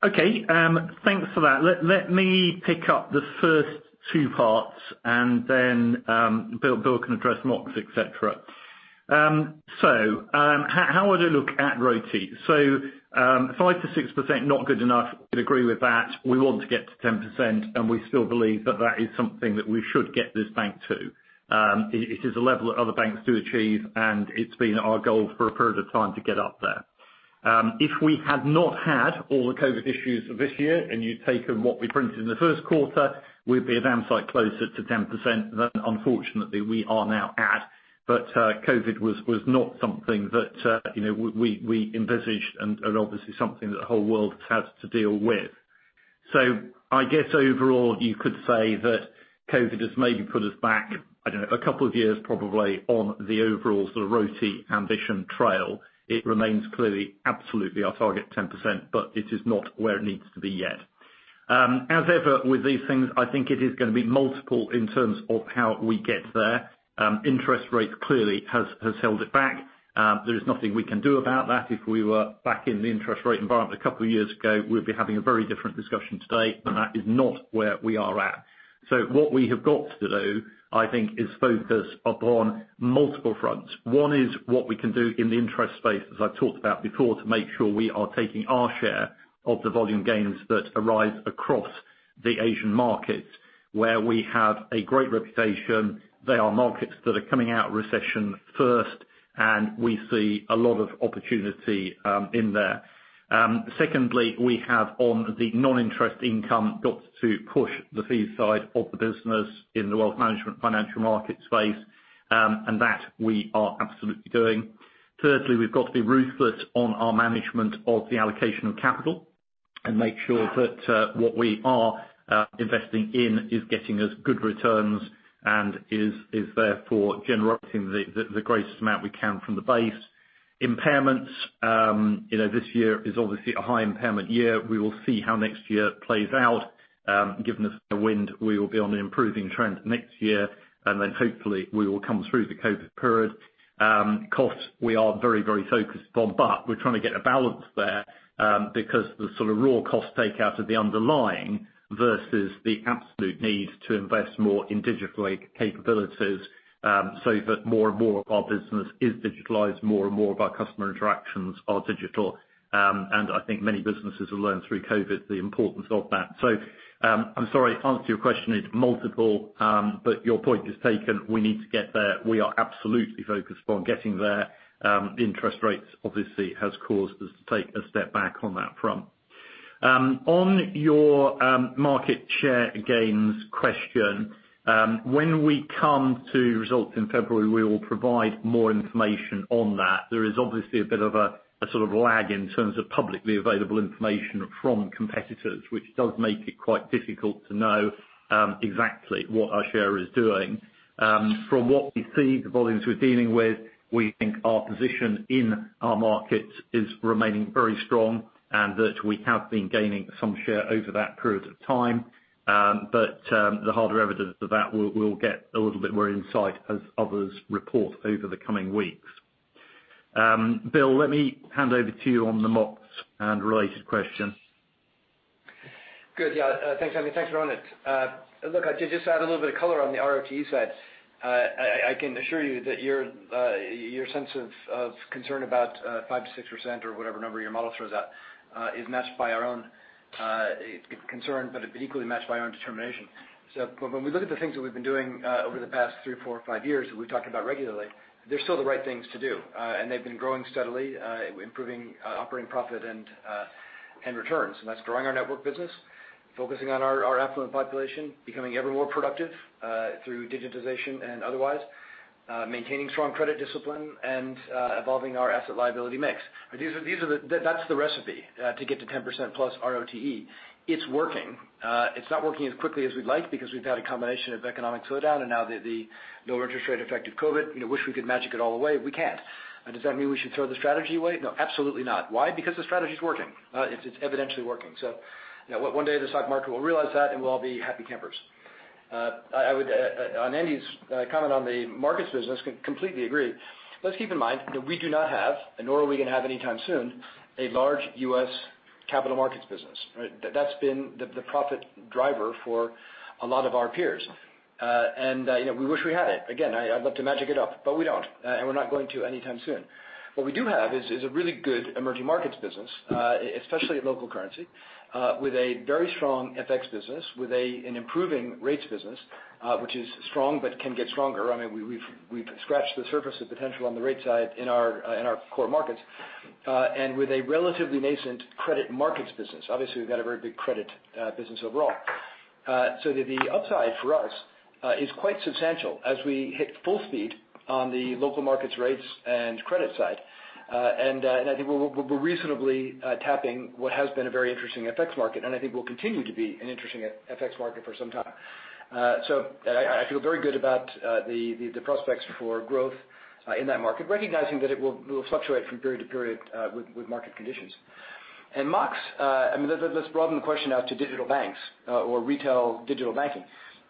Okay. Thanks for that. Let me pick up the first two parts, and then Bill can address Mox, et cetera. How would I look at ROTE? 5%-6%, not good enough. Would agree with that. We want to get to 10%, and we still believe that that is something that we should get this bank to. It is a level that other banks do achieve, and it's been our goal for a period of time to get up there. If we had not had all the COVID issues of this year, and you'd taken what we printed in the first quarter, we'd be a damn sight closer to 10% than, unfortunately, we are now at. COVID was not something that we envisaged, and obviously something that the whole world has had to deal with. I guess overall, you could say that COVID has maybe put us back, I don't know, a couple of years probably, on the overall sort of ROTE ambition trail. It remains clearly absolutely our target, 10%, but it is not where it needs to be yet. As ever, with these things, I think it is going to be multiple in terms of how we get there. Interest rate clearly has held it back. There is nothing we can do about that. If we were back in the interest rate environment a couple of years ago, we'd be having a very different discussion today. That is not where we are at. What we have got to do, I think, is focus upon multiple fronts. One is what we can do in the interest space, as I've talked about before, to make sure we are taking our share of the volume gains that arise across the Asian markets, where we have a great reputation. They are markets that are coming out of recession first, and we see a lot of opportunity in there. Secondly, we have on the non-interest income, got to push the fee side of the business in the wealth management financial market space. That we are absolutely doing. Thirdly, we've got to be ruthless on our management of the allocation of capital and make sure that what we are investing in is getting us good returns and is therefore generating the greatest amount we can from the base. Impairments. This year is obviously a high impairment year. We will see how next year plays out. Given a wind, we will be on an improving trend next year. Hopefully we will come through the COVID period. Cost, we are very focused on. We're trying to get a balance there. The sort of raw cost takeout of the underlying versus the absolute need to invest more in digital capabilities, so that more and more of our business is digitalized, more and more of our customer interactions are digital. I think many businesses have learned through COVID the importance of that. I'm sorry, answer to your question is multiple. Your point is taken. We need to get there. We are absolutely focused on getting there. Interest rates obviously has caused us to take a step back on that front. On your market share gains question. When we come to results in February, we will provide more information on that. There is obviously a bit of a sort of lag in terms of publicly available information from competitors, which does make it quite difficult to know exactly what our share is doing. From what we see, the volumes we're dealing with, we think our position in our markets is remaining very strong and that we have been gaining some share over that period of time. The harder evidence of that, we'll get a little bit more insight as others report over the coming weeks. Bill, let me hand over to you on the Mox and related question.
Good. Yeah. Thanks, Andy. Thanks, Ronit. Look, I'll just add a little bit of color on the ROTE side. I can assure you that your sense of concern about 5%-6% or whatever number your model throws out is matched by our own concern, but equally matched by our own determination. When we look at the things that we've been doing over the past three, four, five years that we've talked about regularly, they're still the right things to do. They've been growing steadily, improving operating profit and returns. That's growing our network business, focusing on our affluent population, becoming ever more productive through digitization and otherwise. Maintaining strong credit discipline and evolving our asset liability mix. That's the recipe to get to 10% plus ROTE. It's working. It's not working as quickly as we'd like because we've had a combination of economic slowdown and now the no interest rate effect of COVID. Wish we could magic it all away. We can't. Does that mean we should throw the strategy away? No, absolutely not. Why? Because the strategy's working. It's evidentially working. One day the stock market will realize that, and we'll all be happy campers. On Andy's comment on the markets business, completely agree. Let's keep in mind that we do not have, and nor are we going to have anytime soon, a large U.S. capital markets business. That's been the profit driver for a lot of our peers. We wish we had it. Again, I'd love to magic it up, but we don't. We're not going to anytime soon. What we do have is a really good emerging markets business, especially at local currency, with a very strong FX business, with an improving rates business, which is strong but can get stronger. We've scratched the surface of potential on the rates side in our core markets. With a relatively nascent credit markets business. Obviously, we've got a very big credit business overall. The upside for us is quite substantial as we hit full speed on the local markets rates and credit side. I think we're reasonably tapping what has been a very interesting FX market, and I think will continue to be an interesting FX market for some time. I feel very good about the prospects for growth in that market, recognizing that it will fluctuate from period to period with market conditions. Mox, let's broaden the question out to digital banks or retail digital banking.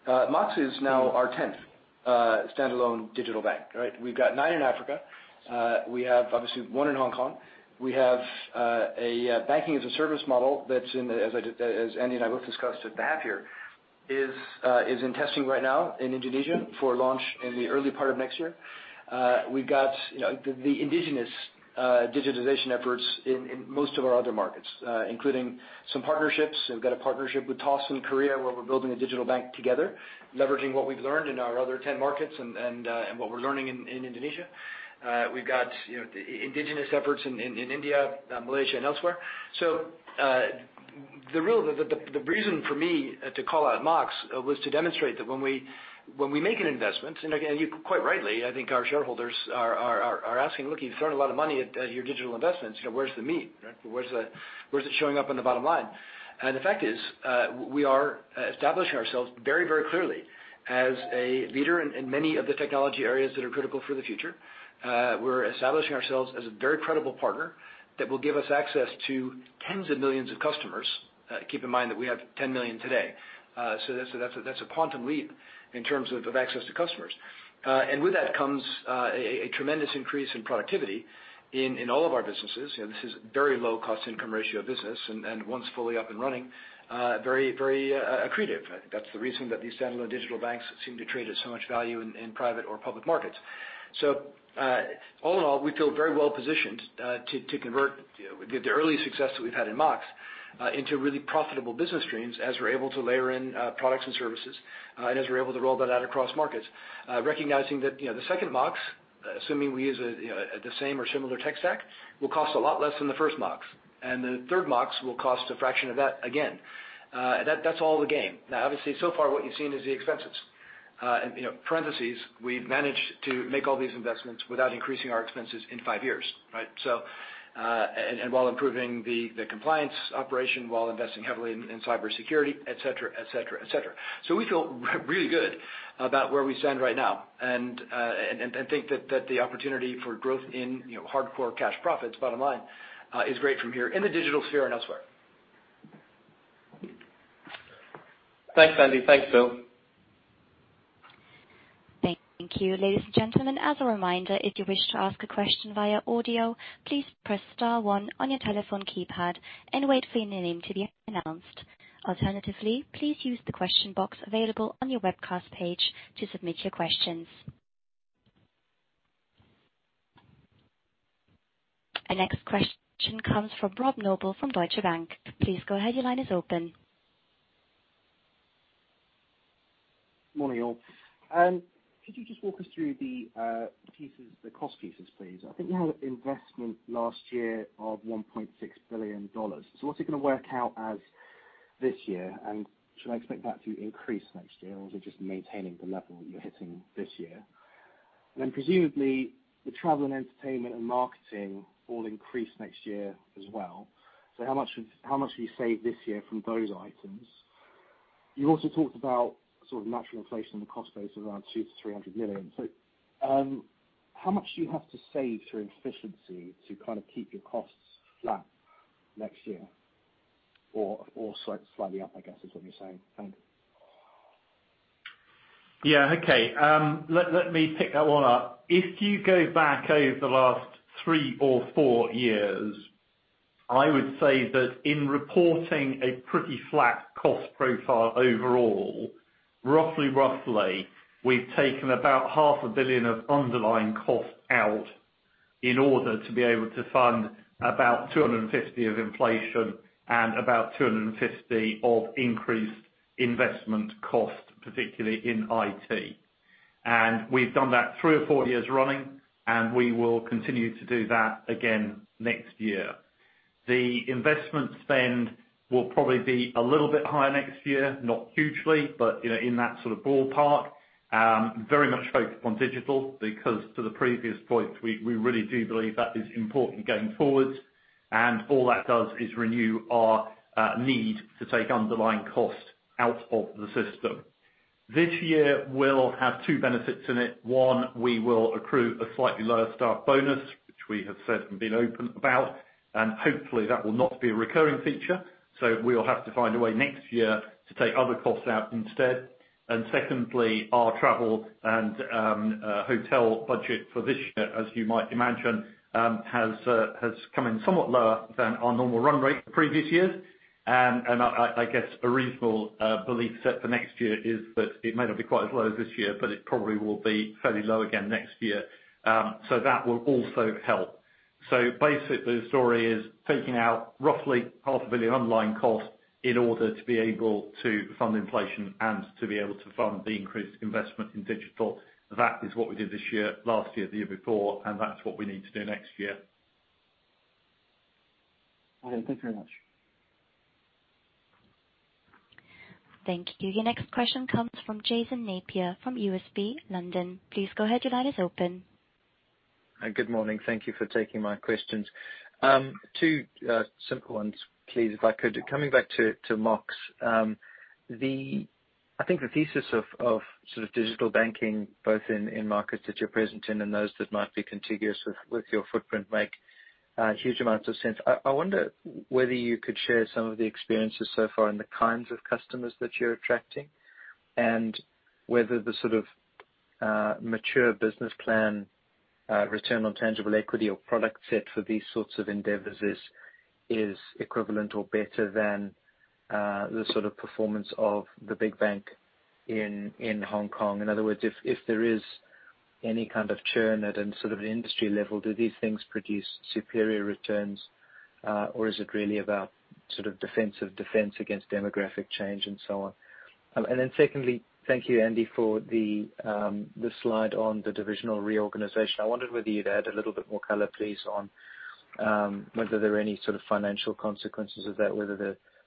Mox is now our 10th standalone digital bank. We've got nine in Africa. We have, obviously, one in Hong Kong. We have a banking as a service model that's, as Andy and I both discussed at BAFF here, is in testing right now in Indonesia for launch in the early part of next year. We've got the indigenous digitization efforts in most of our other markets, including some partnerships. We've got a partnership with Toss in Korea, where we're building a digital bank together, leveraging what we've learned in our other 10 markets and what we're learning in Indonesia. We've got indigenous efforts in India, Malaysia and elsewhere. The reason for me to call out Mox was to demonstrate that when we make an investment, quite rightly, I think our shareholders are asking, "Look, you've thrown a lot of money at your digital investments. Where's the meat? Where's it showing up on the bottom line?" The fact is, we are establishing ourselves very clearly as a leader in many of the technology areas that are critical for the future. We're establishing ourselves as a very credible partner that will give us access to tens of millions of customers. Keep in mind that we have 10 million today. That's a quantum leap in terms of access to customers. With that comes a tremendous increase in productivity in all of our businesses. This is very low cost income ratio business, and once fully up and running, very accretive. That's the reason that these standalone digital banks seem to trade at so much value in private or public markets. All in all, we feel very well positioned to convert the early success that we've had in Mox into really profitable business streams as we're able to layer in products and services, and as we're able to roll that out across markets. Recognizing that the second Mox, assuming we use the same or similar tech stack, will cost a lot less than the first Mox, and the third Mox will cost a fraction of that again. That's all the game. Obviously, so far what you've seen is the expenses. We've managed to make all these investments without increasing our expenses in five years, and while improving the compliance operation, while investing heavily in cybersecurity, et cetera. We feel really good about where we stand right now and think that the opportunity for growth in hardcore cash profits, bottom line, is great from here in the digital sphere and elsewhere.
Thanks, Andy. Thanks, Bill.
Thank you. Ladies and gentlemen, as a reminder, if you wish to ask a question via audio, please press star one on your telephone keypad and wait for your name to be announced. Alternatively, please use the question box available on your webcast page to submit your questions. Our next question comes from Rob Noble from Deutsche Bank. Please go ahead. Your line is open.
Morning, all. Could you just walk us through the cost pieces, please? I think you had investment last year of $1.6 billion. What's it going to work out as this year, and should I expect that to increase next year, or is it just maintaining the level you're hitting this year? Presumably the travel and entertainment and marketing will increase next year as well. How much have you saved this year from those items? You also talked about natural inflation in the cost base of around $200 million-$300 million. How much do you have to save through efficiency to keep your costs flat next year? Slightly up, I guess, is what you're saying. Thank you.
Yeah. Okay. Let me pick that one up. If you go back over the last three or four years, I would say that in reporting a pretty flat cost profile overall, roughly, we've taken about half a billion dollars of underlying cost out in order to be able to fund about $250 of inflation and about $250 of increased investment cost, particularly in IT. We've done that three or four years running, and we will continue to do that again next year. The investment spend will probably be a little bit higher next year, not hugely, but in that sort of ballpark. Very much focused on digital, because to the previous point, we really do believe that is important going forward. All that does is renew our need to take underlying cost out of the system. This year will have two benefits in it. One, we will accrue a slightly lower staff bonus, which we have said and been open about, and hopefully that will not be a recurring feature. We will have to find a way next year to take other costs out instead. Secondly, our travel and hotel budget for this year, as you might imagine, has come in somewhat lower than our normal run rate the previous years. I guess a reasonable belief set for next year is that it may not be quite as low as this year, but it probably will be fairly low again next year. That will also help. Basically, the story is taking out roughly half a billion USD underlying cost in order to be able to fund inflation and to be able to fund the increased investment in digital. That is what we did this year, last year, the year before, and that's what we need to do next year.
Okay, thanks very much.
Thank you. Your next question comes from Jason Napier from UBS, London.
Good morning. Thank you for taking my questions. Two simple ones, please, if I could. Coming back to Mox. I think the thesis of sort of digital banking, both in markets that you're present in and those that might be contiguous with your footprint make huge amounts of sense. I wonder whether you could share some of the experiences so far and the kinds of customers that you're attracting, and whether the sort of mature business plan, return on tangible equity or product set for these sorts of endeavors is equivalent or better than the sort of performance of the big bank in Hong Kong. In other words, if there is any kind of churn at a sort of industry level, do these things produce superior returns, or is it really about sort of defensive defense against demographic change and so on? Secondly, thank you, Andy, for the slide on the divisional reorganization. I wondered whether you'd add a little bit more color, please, on whether there are any sort of financial consequences of that, whether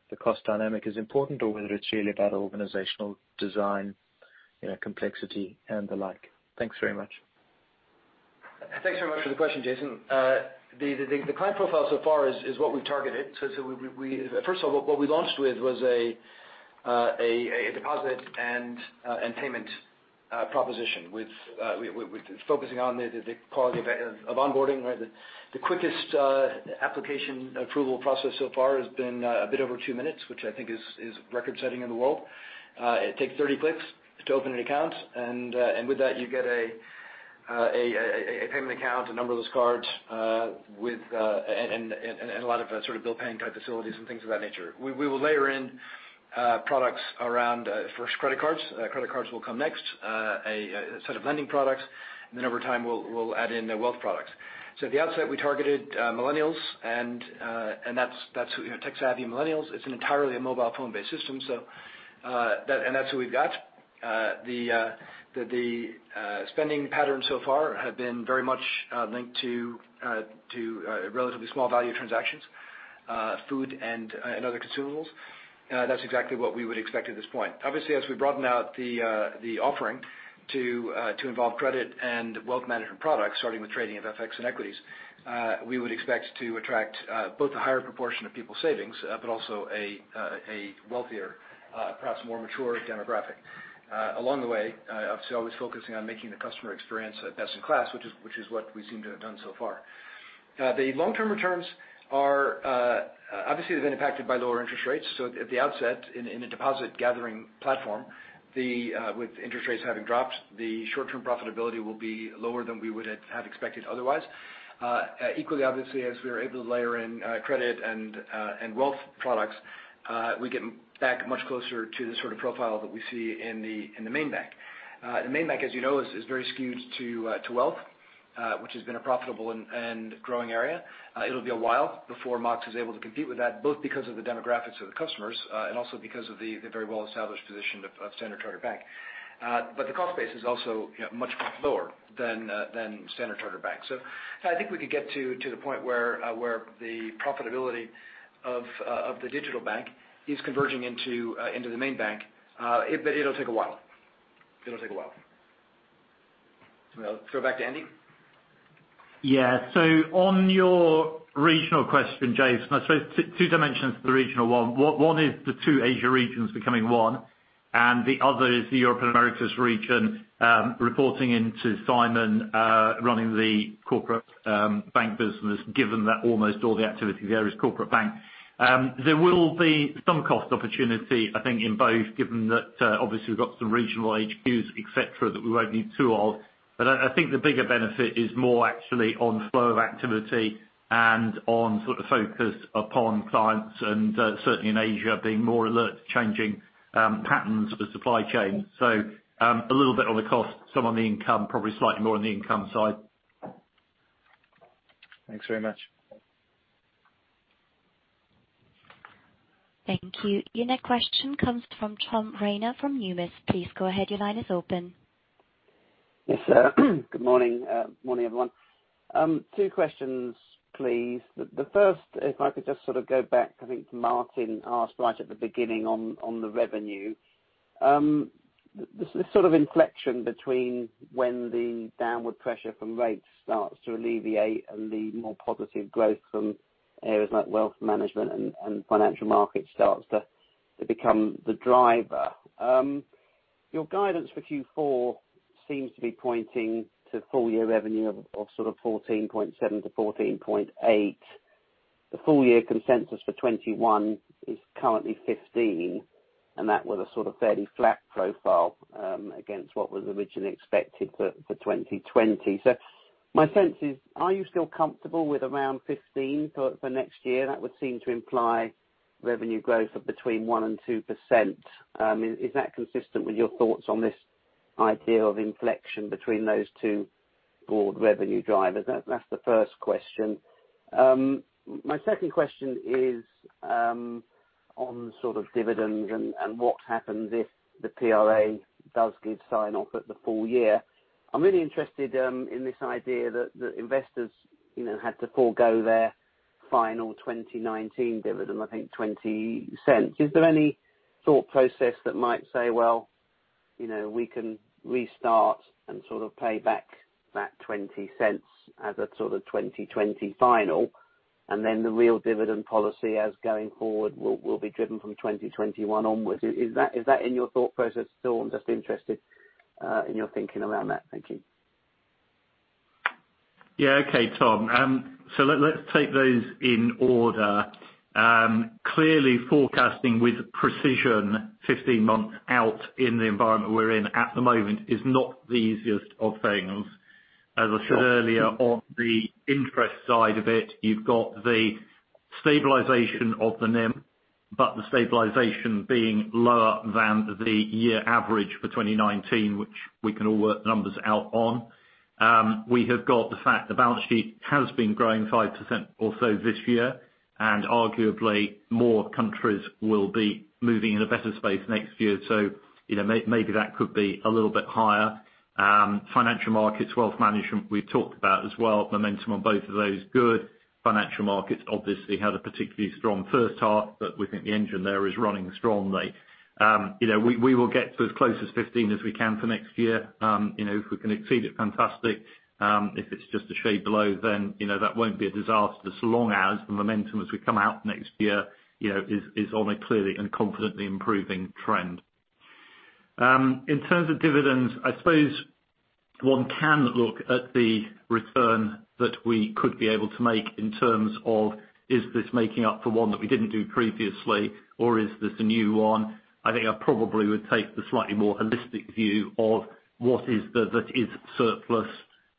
the cost dynamic is important or whether it's really about organizational design, complexity and the like. Thanks very much.
Thanks very much for the question, Jason. The client profile so far is what we've targeted. First of all, what we launched with was a deposit and payment proposition with focusing on the quality of onboarding. The quickest application approval process so far has been a bit over two minutes, which I think is record-setting in the world. It takes 30 clicks to open an account, and with that you get a payment account, a number of those cards, and a lot of sort of bill paying type facilities and things of that nature. We will layer in products around first credit cards. Credit cards will come next. A set of lending products, and then over time we'll add in wealth products. At the outset we targeted millennials and tech-savvy millennials. It's an entirely a mobile phone-based system. That's who we've got. The spending pattern so far have been very much linked to relatively small value transactions, food and other consumables. That's exactly what we would expect at this point. Obviously, as we broaden out the offering to involve credit and wealth management products, starting with trading of FX and equities, we would expect to attract both a higher proportion of people's savings, but also a wealthier, perhaps more mature demographic. Along the way, obviously, always focusing on making the customer experience best in class, which is what we seem to have done so far. The long-term returns are obviously they've been impacted by lower interest rates. At the outset, in a deposit gathering platform, with interest rates having dropped, the short-term profitability will be lower than we would have expected otherwise. Equally, obviously, as we are able to layer in credit and wealth products, we get back much closer to the sort of profile that we see in the main bank. The main bank, as you know, is very skewed to wealth, which has been a profitable and growing area. It'll be a while before Mox is able to compete with that, both because of the demographics of the customers and also because of the very well-established position of Standard Chartered Bank. The cost base is also much lower than Standard Chartered Bank. I think we could get to the point where the profitability of the digital bank is converging into the main bank. It'll take a while. I'll throw back to Andy.
Yeah. On your regional question, Jason, I suppose two dimensions to the regional one. One is the two Asia regions becoming one, and the other is the Europe and Americas region, reporting into Simon, running the corporate bank business, given that almost all the activity there is corporate bank. There will be some cost opportunity, I think, in both, given that obviously we've got some regional HQs, et cetera, that we won't need two of. I think the bigger benefit is more actually on flow of activity and on sort of focus upon clients and certainly in Asia, being more alert to changing patterns of the supply chain. A little bit on the cost, some on the income, probably slightly more on the income side.
Thanks very much.
Thank you. Your next question comes from Tom Rayner from Numis. Please go ahead. Your line is open.
Yes, sir. Good morning. Morning, everyone. Two questions, please. The first, if I could just sort of go back, I think Martin asked right at the beginning on the revenue. This sort of inflection between when the downward pressure from rates starts to alleviate and the more positive growth from areas like wealth management and financial markets starts to become the driver. Your guidance for Q4 seems to be pointing to full year revenue of sort of $14.7-$14.8. The full year consensus for 2021 is currently $15, and that with a sort of fairly flat profile against what was originally expected for 2020. My sense is, are you still comfortable with around $15 for next year? That would seem to imply revenue growth of between 1% and 2%. Is that consistent with your thoughts on this idea of inflection between those two board revenue drivers? That's the first question. My second question is on sort of dividends and what happens if the PRA does give sign off at the full year. I'm really interested in this idea that investors had to forego their final 2019 dividend, I think $0.20. Is there any thought process that might say, well, we can restart and sort of pay back that $0.20 as a sort of 2020 final, and then the real dividend policy as going forward will be driven from 2021 onwards. Is that in your thought process at all? I'm just interested in your thinking around that. Thank you.
Yeah. Okay, Tom. Let's take those in order. Clearly forecasting with precision 15 months out in the environment we're in at the moment is not the easiest of things. As I said earlier, on the interest side of it, you've got the stabilization of the NIM, but the stabilization being lower than the year average for 2019, which we can all work numbers out on. We have got the fact the balance sheet has been growing 5% or so this year, and arguably more countries will be moving in a better space next year. Maybe that could be a little bit higher. Financial markets, wealth management we've talked about as well, momentum on both of those good. Financial markets obviously had a particularly strong first half, but we think the engine there is running strongly. We will get to as close as 15 as we can for next year. If we can exceed it, fantastic. If it's just a shade below, then that won't be a disaster so long as the momentum as we come out next year is on a clearly and confidently improving trend. In terms of dividends, I suppose one can look at the return that we could be able to make in terms of, is this making up for one that we didn't do previously or is this a new one? I think I probably would take the slightly more holistic view of what is it that is surplus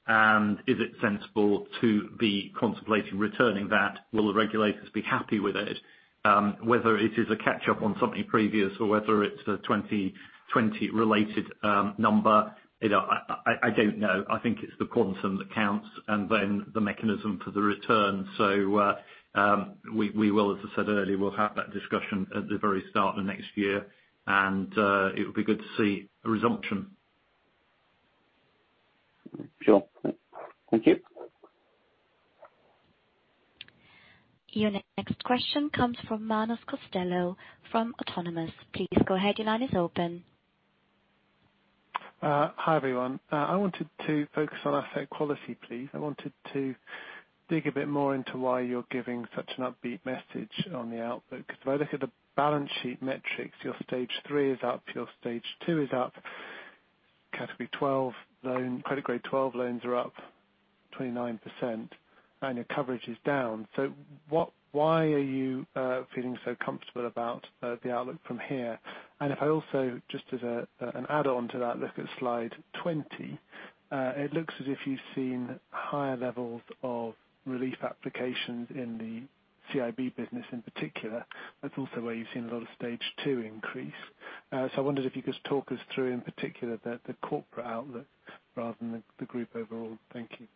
and is it sensible to be contemplating returning that? Will the regulators be happy with it? Whether it is a catch up on something previous or whether it's a 2020 related number, I don't know. I think it's the quantum that counts and then the mechanism for the return. We will, as I said earlier, we'll have that discussion at the very start of next year, and it would be good to see a resumption.
Sure. Thank you.
Your next question comes from Manus Costello from Autonomous. Please go ahead. Your line is open.
Hi, everyone. I wanted to focus on asset quality, please. I wanted to dig a bit more into why you're giving such an upbeat message on the outlook, because if I look at the balance sheet metrics, your stage 3 is up, your stage 2 is up. CG12 loan, credit grade 12 loans are up 29%, and your coverage is down. Why are you feeling so comfortable about the outlook from here? If I also just as an add-on to that, look at slide 20. It looks as if you've seen higher levels of relief applications in the CIB business in particular. That's also where you've seen a lot of stage 2 increase. I wondered if you could talk us through, in particular, the corporate outlook rather than the group overall. Thank you.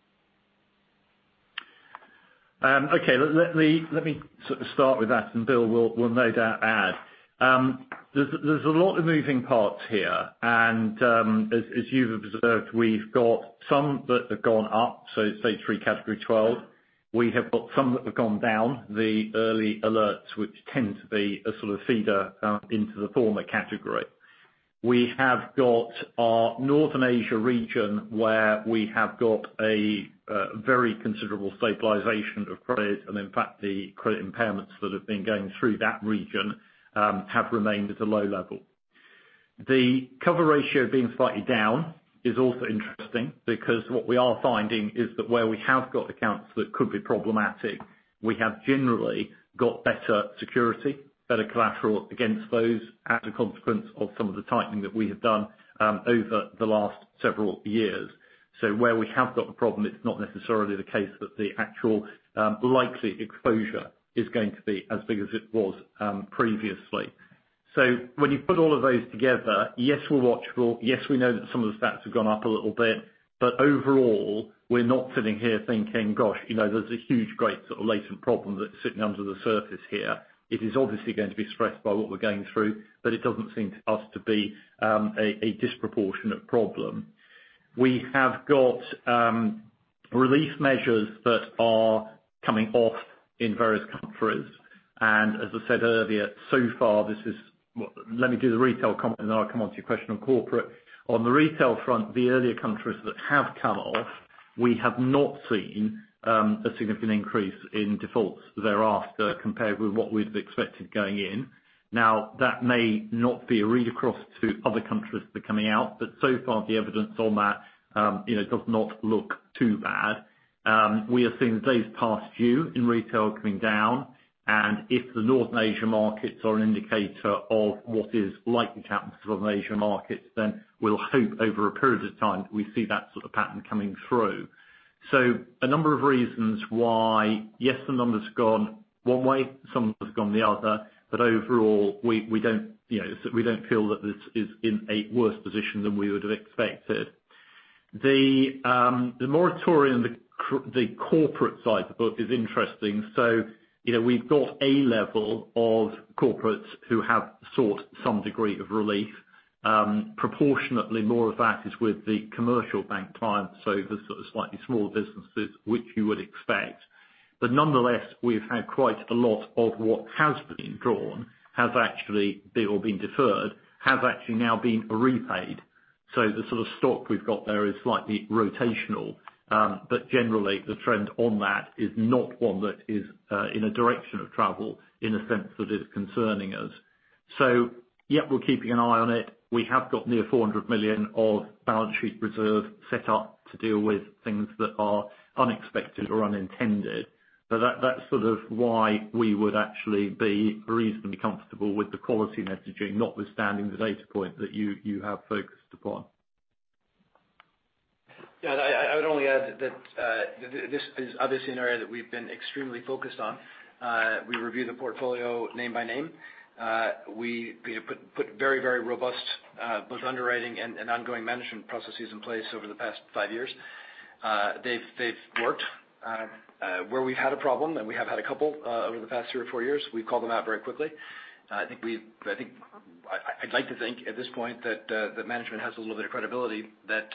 Okay. Let me sort of start with that and Bill will no doubt add. There's a lot of moving parts here, and as you've observed, we've got some that have gone up. Stage 3 category 12. We have got some that have gone down. The early alerts, which tend to be a sort of feeder into the former category. We have got our Northern Asia region where we have got a very considerable stabilization of credit, and in fact, the credit impairments that have been going through that region have remained at a low level. The cover ratio being slightly down is also interesting because what we are finding is that where we have got accounts that could be problematic, we have generally got better security, better collateral against those as a consequence of some of the tightening that we have done over the last several years. Where we have got a problem, it's not necessarily the case that the actual likely exposure is going to be as big as it was previously. When you put all of those together, yes, we're watchful. Yes, we know that some of the stats have gone up a little bit. Overall, we're not sitting here thinking, gosh, there's a huge great sort of latent problem that's sitting under the surface here. It is obviously going to be stressed by what we're going through, but it doesn't seem to us to be a disproportionate problem. We have got relief measures that are coming off in various countries. As I said earlier, so far, let me do the retail comment and then I'll come on to your question on corporate. On the retail front, the earlier countries that have come off, we have not seen a significant increase in defaults thereafter compared with what we'd have expected going in. That may not be a read across to other countries that are coming out, but so far the evidence on that does not look too bad. We are seeing the days past due in retail coming down, and if the Northern Asia markets are an indicator of what is likely to happen to Southern Asia markets, then we'll hope over a period of time we see that sort of pattern coming through. A number of reasons why, yes, the numbers have gone one way, some have gone the other, but overall we don't feel that this is in a worse position than we would have expected. The moratorium, the corporate side of the book is interesting. We've got a level of corporates who have sought some degree of relief. Proportionately more of that is with the commercial bank clients, so the sort of slightly smaller businesses, which you would expect. Nonetheless, we've had quite a lot of what has been drawn, or been deferred, has actually now been repaid. The sort of stock we've got there is slightly rotational. Generally, the trend on that is not one that is in a direction of travel, in a sense that is concerning us. Yeah, we're keeping an eye on it. We have got near 400 million of balance sheet reserve set up to deal with things that are unexpected or unintended. That's sort of why we would actually be reasonably comfortable with the quality messaging, notwithstanding the data point that you have focused upon.
Yeah, I would only add that this is obviously an area that we've been extremely focused on. We review the portfolio name by name. We put very robust, both underwriting and ongoing management processes in place over the past five years. They've worked. Where we've had a problem, and we have had a couple over the past three or four years, we've called them out very quickly. I'd like to think at this point that management has a little bit of credibility that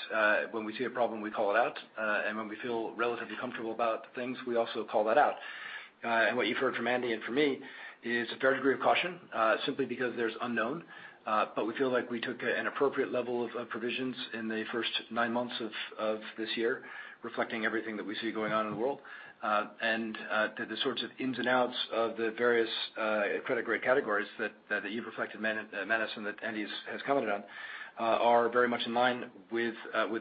when we see a problem, we call it out. And when we feel relatively comfortable about things, we also call that out. And what you've heard from Andy and from me is a fair degree of caution, simply because there's unknown. We feel like we took an appropriate level of provisions in the first nine months of this year, reflecting everything that we see going on in the world. That the sorts of ins and outs of the various credit grade categories that you've reflected, Manus, and that Andy has commented on, are very much in line with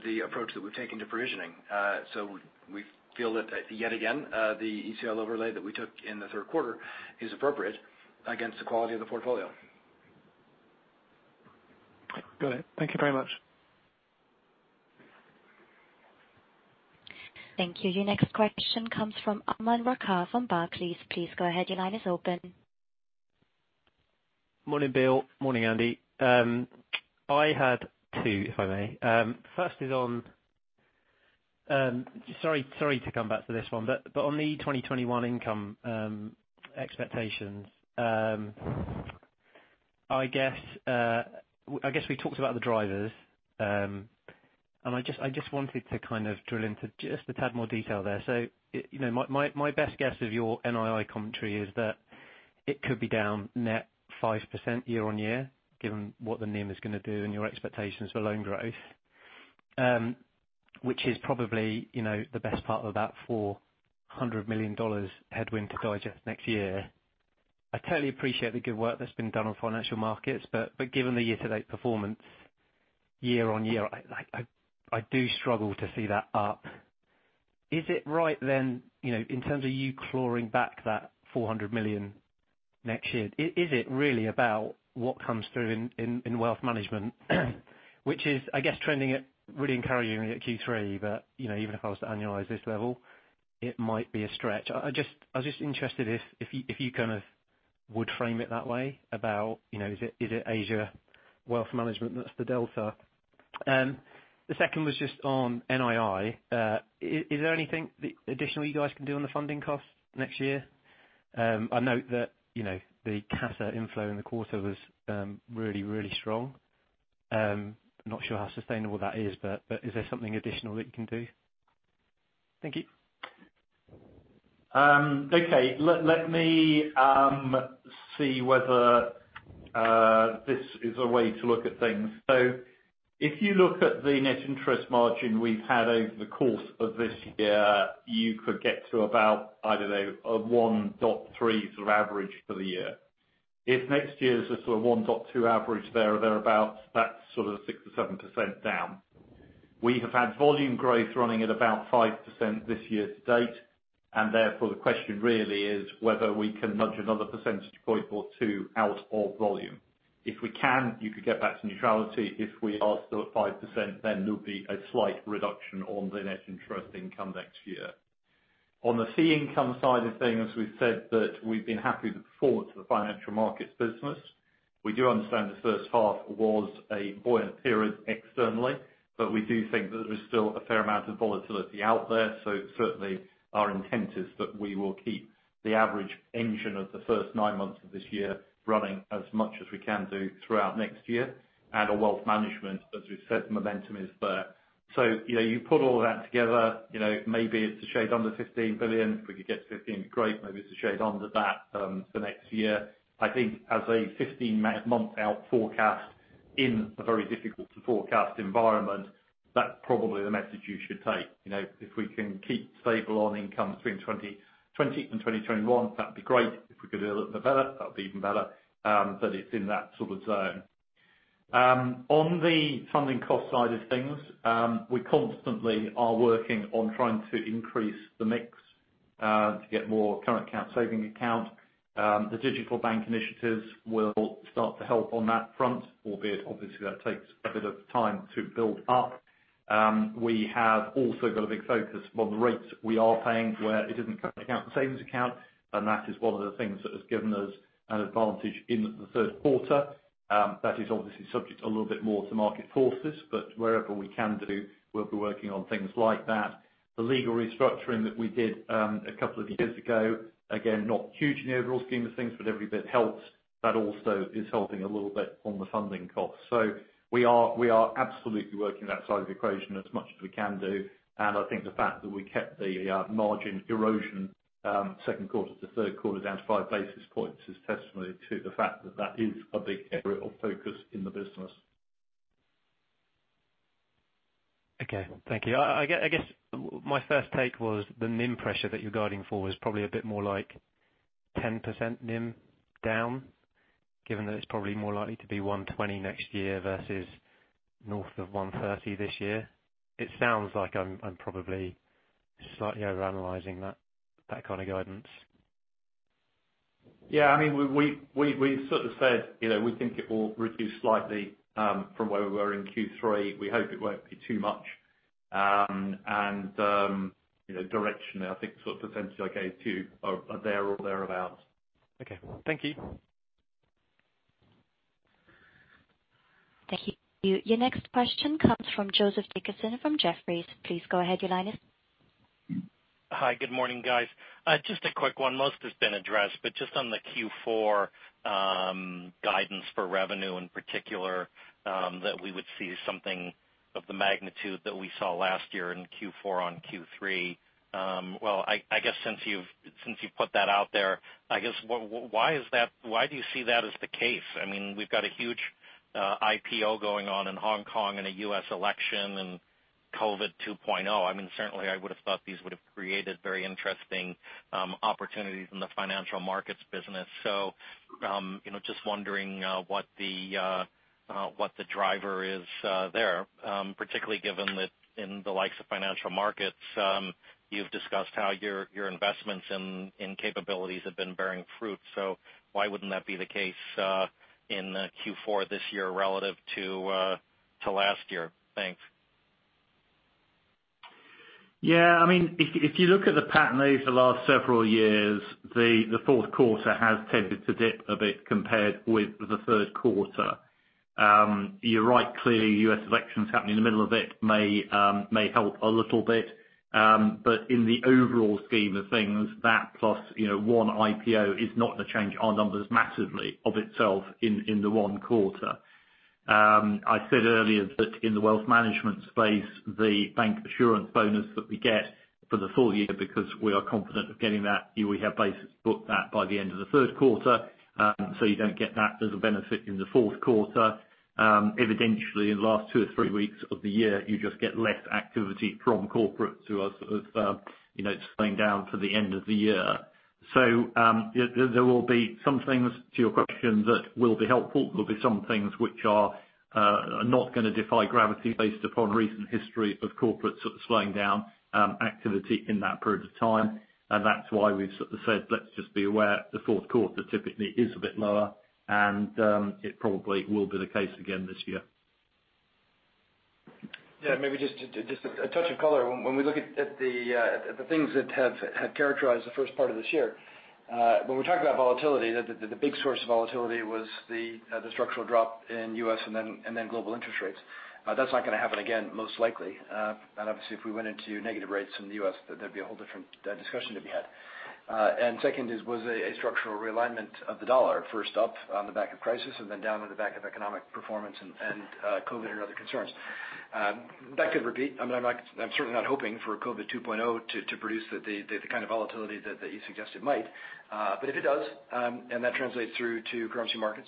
the approach that we've taken to provisioning. We feel that yet again, the ECL overlay that we took in the third quarter is appropriate against the quality of the portfolio.
Got it. Thank you very much.
Thank you. Your next question comes from Aman Rakkar of Barclays. Please go ahead. Your line is open.
Morning, Bill. Morning, Andy. I had two, if I may. First is on. Sorry to come back to this one, but on the 2021 income expectations, I guess we talked about the drivers. I just wanted to kind of drill into just a tad more detail there. My best guess of your NII commentary is that it could be down net 5% year-on-year, given what the NIM is going to do and your expectations for loan growth. Which is probably the best part of that GBP 400 million headwind to digest next year. I totally appreciate the good work that's been done on financial markets, given the year-to-date performance year-on-year, I do struggle to see that up. Is it right then, in terms of you clawing back that 400 million next year, is it really about what comes through in wealth management? Which is, I guess, trending really encouragingly at Q3, but even if I was to annualize this level, it might be a stretch. I was just interested if you kind of would frame it that way about, is it Asia wealth management that's the delta? The second was just on NII. Is there anything additional you guys can do on the funding costs next year? I note that the CASA inflow in the quarter was really strong. I'm not sure how sustainable that is, but is there something additional that you can do? Thank you.
Let me see whether this is a way to look at things. If you look at the net interest margin we've had over the course of this year, you could get to about, I don't know, a 1.3 sort of average for the year. If next year is a sort of 1.2 average there or thereabout, that's sort of 6%-7% down. We have had volume growth running at about 5% this year to date, the question really is whether we can nudge another percentage point or two out of volume. If we can, you could get back to neutrality. If we are still at 5%, there'll be a slight reduction on the net interest income next year. On the fee income side of things, we've said that we've been happy with the performance of the financial markets business. We do understand the first half was a buoyant period externally, but we do think that there is still a fair amount of volatility out there. Certainly our intent is that we will keep the average engine of the first nine months of this year running as much as we can do throughout next year. On wealth management, as we've said, the momentum is there. You put all that together, maybe it's a shade under $15 billion. If we could get to $15, great. Maybe it's a shade under that for next year. I think as a 15-month out forecast in a very difficult to forecast environment, that's probably the message you should take. If we can keep stable on income between 2020 and 2021, that'd be great. If we could do a little bit better, that would be even better. It's in that sort of zone. On the funding cost side of things, we constantly are working on trying to increase the mix to get more current account savings account. The digital bank initiatives will start to help on that front, albeit obviously that takes a bit of time to build up. We have also got a big focus on the rates we are paying where it isn't current account and savings account, and that is one of the things that has given us an advantage in the third quarter. That is obviously subject a little bit more to market forces, but wherever we can do, we'll be working on things like that. The legal restructuring that we did a couple of years ago, again, not huge in the overall scheme of things, but every bit helps. That also is helping a little bit on the funding cost. We are absolutely working that side of the equation as much as we can do. I think the fact that we kept the margin erosion second quarter to third quarter down to five basis points is testimony to the fact that that is a big area of focus in the business.
Okay. Thank you. I guess my first take was the NIM pressure that you're guiding for was probably a bit more like 10% NIM down, given that it's probably more likely to be 120 next year versus north of 130 this year. It sounds like I'm probably slightly overanalyzing that kind of guidance.
Yeah. We sort of said we think it will reduce slightly, from where we were in Q3. We hope it won't be too much. Directionally, I think sort of potentially like are there or thereabout.
Okay. Thank you.
Thank you. Your next question comes from Joseph Dickerson from Jefferies. Please go ahead. Your line is.
Hi. Good morning, guys. Just a quick one. Most has been addressed, but just on the Q4 guidance for revenue in particular, that we would see something of the magnitude that we saw last year in Q4 on Q3. Well, I guess since you've put that out there, why do you see that as the case? We've got a huge IPO going on in Hong Kong and a U.S. election and COVID 2.0. Certainly, I would have thought these would have created very interesting opportunities in the financial markets business. Just wondering what the driver is there, particularly given that in the likes of financial markets, you've discussed how your investments in capabilities have been bearing fruit. Why wouldn't that be the case in Q4 this year relative to last year? Thanks.
Yeah. If you look at the pattern over the last several years, the fourth quarter has tended to dip a bit compared with the third quarter. You're right, clearly U.S. elections happening in the middle of it may help a little bit. In the overall scheme of things, that plus one IPO is not going to change our numbers massively of itself in the one quarter. I said earlier that in the wealth management space, the bank assurance bonus that we get for the full year because we are confident of getting that, we have basically booked that by the end of the third quarter. You don't get that as a benefit in the fourth quarter. Evidentially, in the last two or three weeks of the year, you just get less activity from corporate to us as it's slowing down to the end of the year. There will be some things to your question that will be helpful. There'll be some things which are not going to defy gravity based upon recent history of corporate sort of slowing down activity in that period of time. That's why we've sort of said, let's just be aware the fourth quarter typically is a bit lower and it probably will be the case again this year.
Yeah, maybe just a touch of color. When we look at the things that have characterized the first part of this year. When we talk about volatility, the big source of volatility was the structural drop in U.S. and then global interest rates. That's not going to happen again, most likely. Obviously if we went into negative rates in the U.S., there'd be a whole different discussion to be had. Second is, was a structural realignment of the dollar first up on the back of crisis and then down on the back of economic performance and COVID and other concerns. That could repeat. I'm certainly not hoping for COVID 2.0 to produce the kind of volatility that you suggest it might. If it does, and that translates through to currency markets,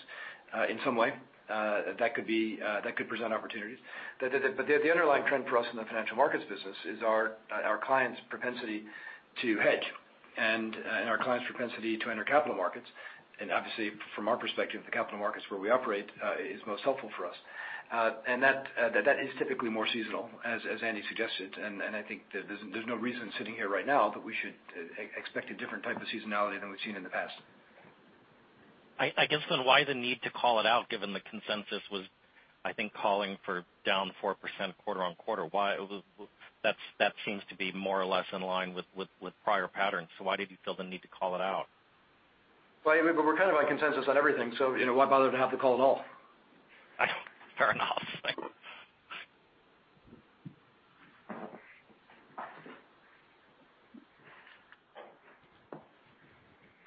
in some way, that could present opportunities. The underlying trend for us in the financial markets business is our clients' propensity to hedge and our clients' propensity to enter capital markets. Obviously from our perspective, the capital markets where we operate is most helpful for us. That is typically more seasonal, as Andy suggested. I think there's no reason sitting here right now that we should expect a different type of seasonality than we've seen in the past.
I guess why the need to call it out given the consensus was, I think calling for down 4% quarter-on-quarter? That seems to be more or less in line with prior patterns. Why did you feel the need to call it out?
Well, we're kind of on consensus on everything, so why bother to have to call it all?
Fair enough. Thanks.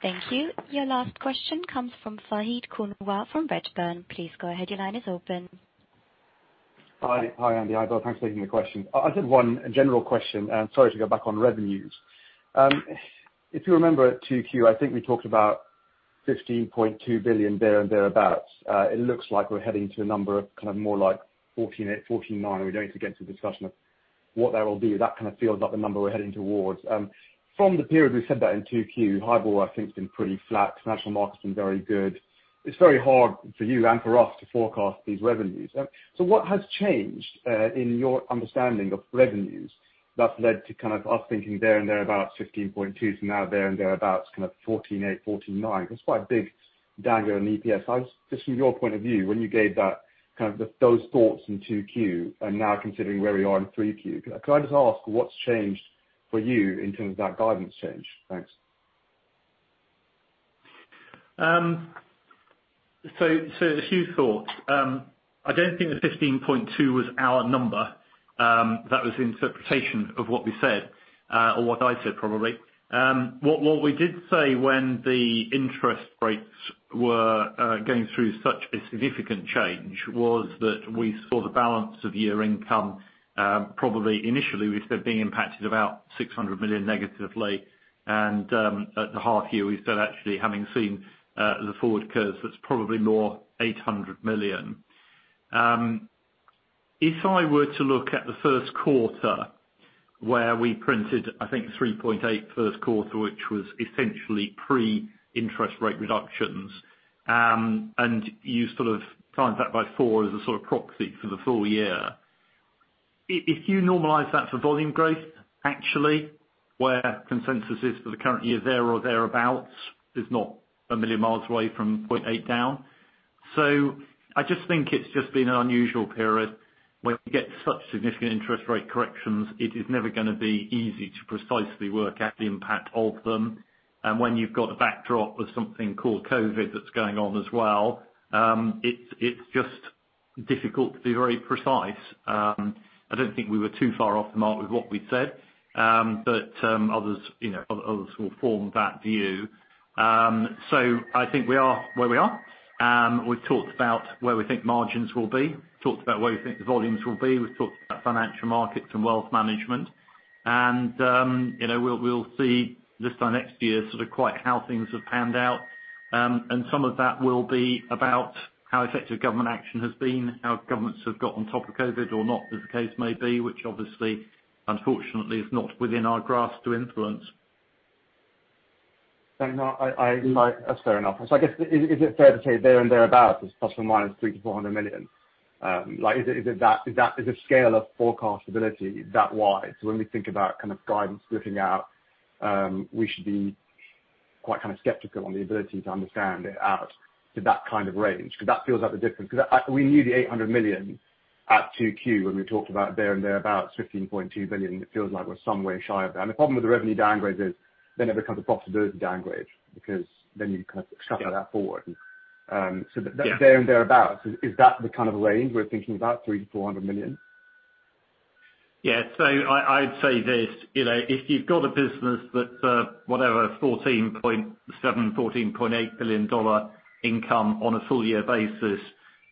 Thank you. Your last question comes from Fahed Kunwar from Redburn. Please go ahead.
Hi, Andy. Hi, Bill. Thanks for taking the question. I just have one general question. Sorry to go back on revenues. If you remember 2Q, I think we talked about $15.2 billion there and thereabouts. It looks like we're heading to a number of kind of more like $14.9 billion. We don't need to get into a discussion of what that will be, that kind of feels like the number we're heading towards. From the period we said that in Q2, NII, I think has been pretty flat. Financial market's been very good. It's very hard for you and for us to forecast these revenues. What has changed, in your understanding of revenues, that's led to us thinking there and there about $15.2 billion to now there and there about kind of $14.8 billion, $14.9 billion? It's quite a big dagger on EPS. Just from your point of view, when you gave those thoughts in Q2 and now considering where we are in Q3, could I just ask what's changed for you in terms of that guidance change? Thanks.
A few thoughts. I don't think the 15.2 was our number. That was the interpretation of what we said, or what I said, probably. What we did say when the interest rates were going through such a significant change was that we saw the balance of year income, probably initially we said being impacted about $600 million negatively. At the half year, we said actually having seen the forward curves, it's probably more $800 million. If I were to look at the first quarter where we printed, I think 3.8 first quarter, which was essentially pre-interest rate reductions, and you sort of times that by four as a sort of proxy for the full year. If you normalize that for volume growth, actually, where consensus is for the current year, there or thereabouts, is not a million miles away from 0.8 down. I just think it's just been an unusual period. When you get such significant interest rate corrections, it is never gonna be easy to precisely work out the impact of them. When you've got a backdrop of something called COVID that's going on as well, it's just difficult to be very precise. I don't think we were too far off the mark with what we said. Others will form that view. I think we are where we are. We've talked about where we think margins will be, talked about where we think the volumes will be. We've talked about financial markets and wealth management. We'll see this time next year sort of quite how things have panned out. Some of that will be about how effective government action has been, how governments have got on top of COVID or not, as the case may be, which obviously, unfortunately, is not within our grasp to influence.
Thanks. That's fair enough. I guess, is it fair to say there and thereabouts is ±$300 million-$400 million? Is it scale of forecast ability that wide? When we think about kind of guidance looking out, we should be quite skeptical on the ability to understand it out to that kind of range. Because we knew the $800 million at Q2 when we talked about there and there about $15.2 billion. It feels like we're some way shy of that. The problem with the revenue downgrade is it becomes a profitability downgrade because you kind of shuffle that forward. There and thereabouts, is that the kind of range we're thinking about, $300 million-$400 million?
Yeah. I'd say this. If you've got a business that's, whatever, $14.7 billion-$14.8 billion income on a full year basis,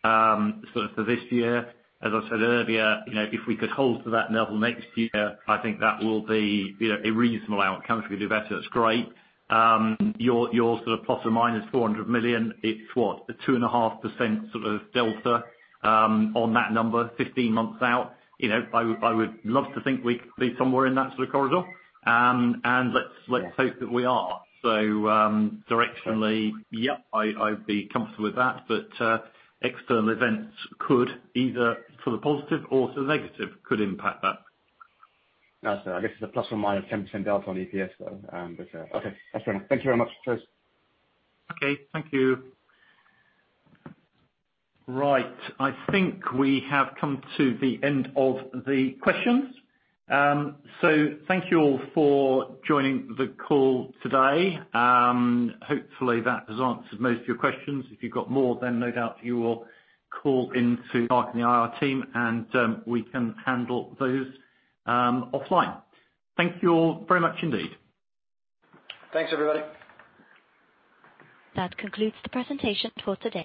sort of for this year, as I said earlier, if we could hold to that level next year, I think that will be a reasonable outcome. If we do better, that's great. Your sort of ±$400 million, it's what? A 2.5% sort of delta on that number 15 months out. I would love to think we could be somewhere in that sort of corridor. Let's hope that we are. Directionally, yeah, I'd be comfortable with that. External events could either for the positive or for the negative could impact that.
No. I guess it's a ±10% delta on EPS though. Okay. That's fair enough. Thank you very much. Cheers.
Okay. Thank you. Right. I think we have come to the end of the questions. Thank you all for joining the call today. Hopefully, that has answered most of your questions. If you've got more, no doubt you will call into Mark and the IR team, and we can handle those offline. Thank you all very much indeed.
Thanks, everybody.
That concludes the presentation for today.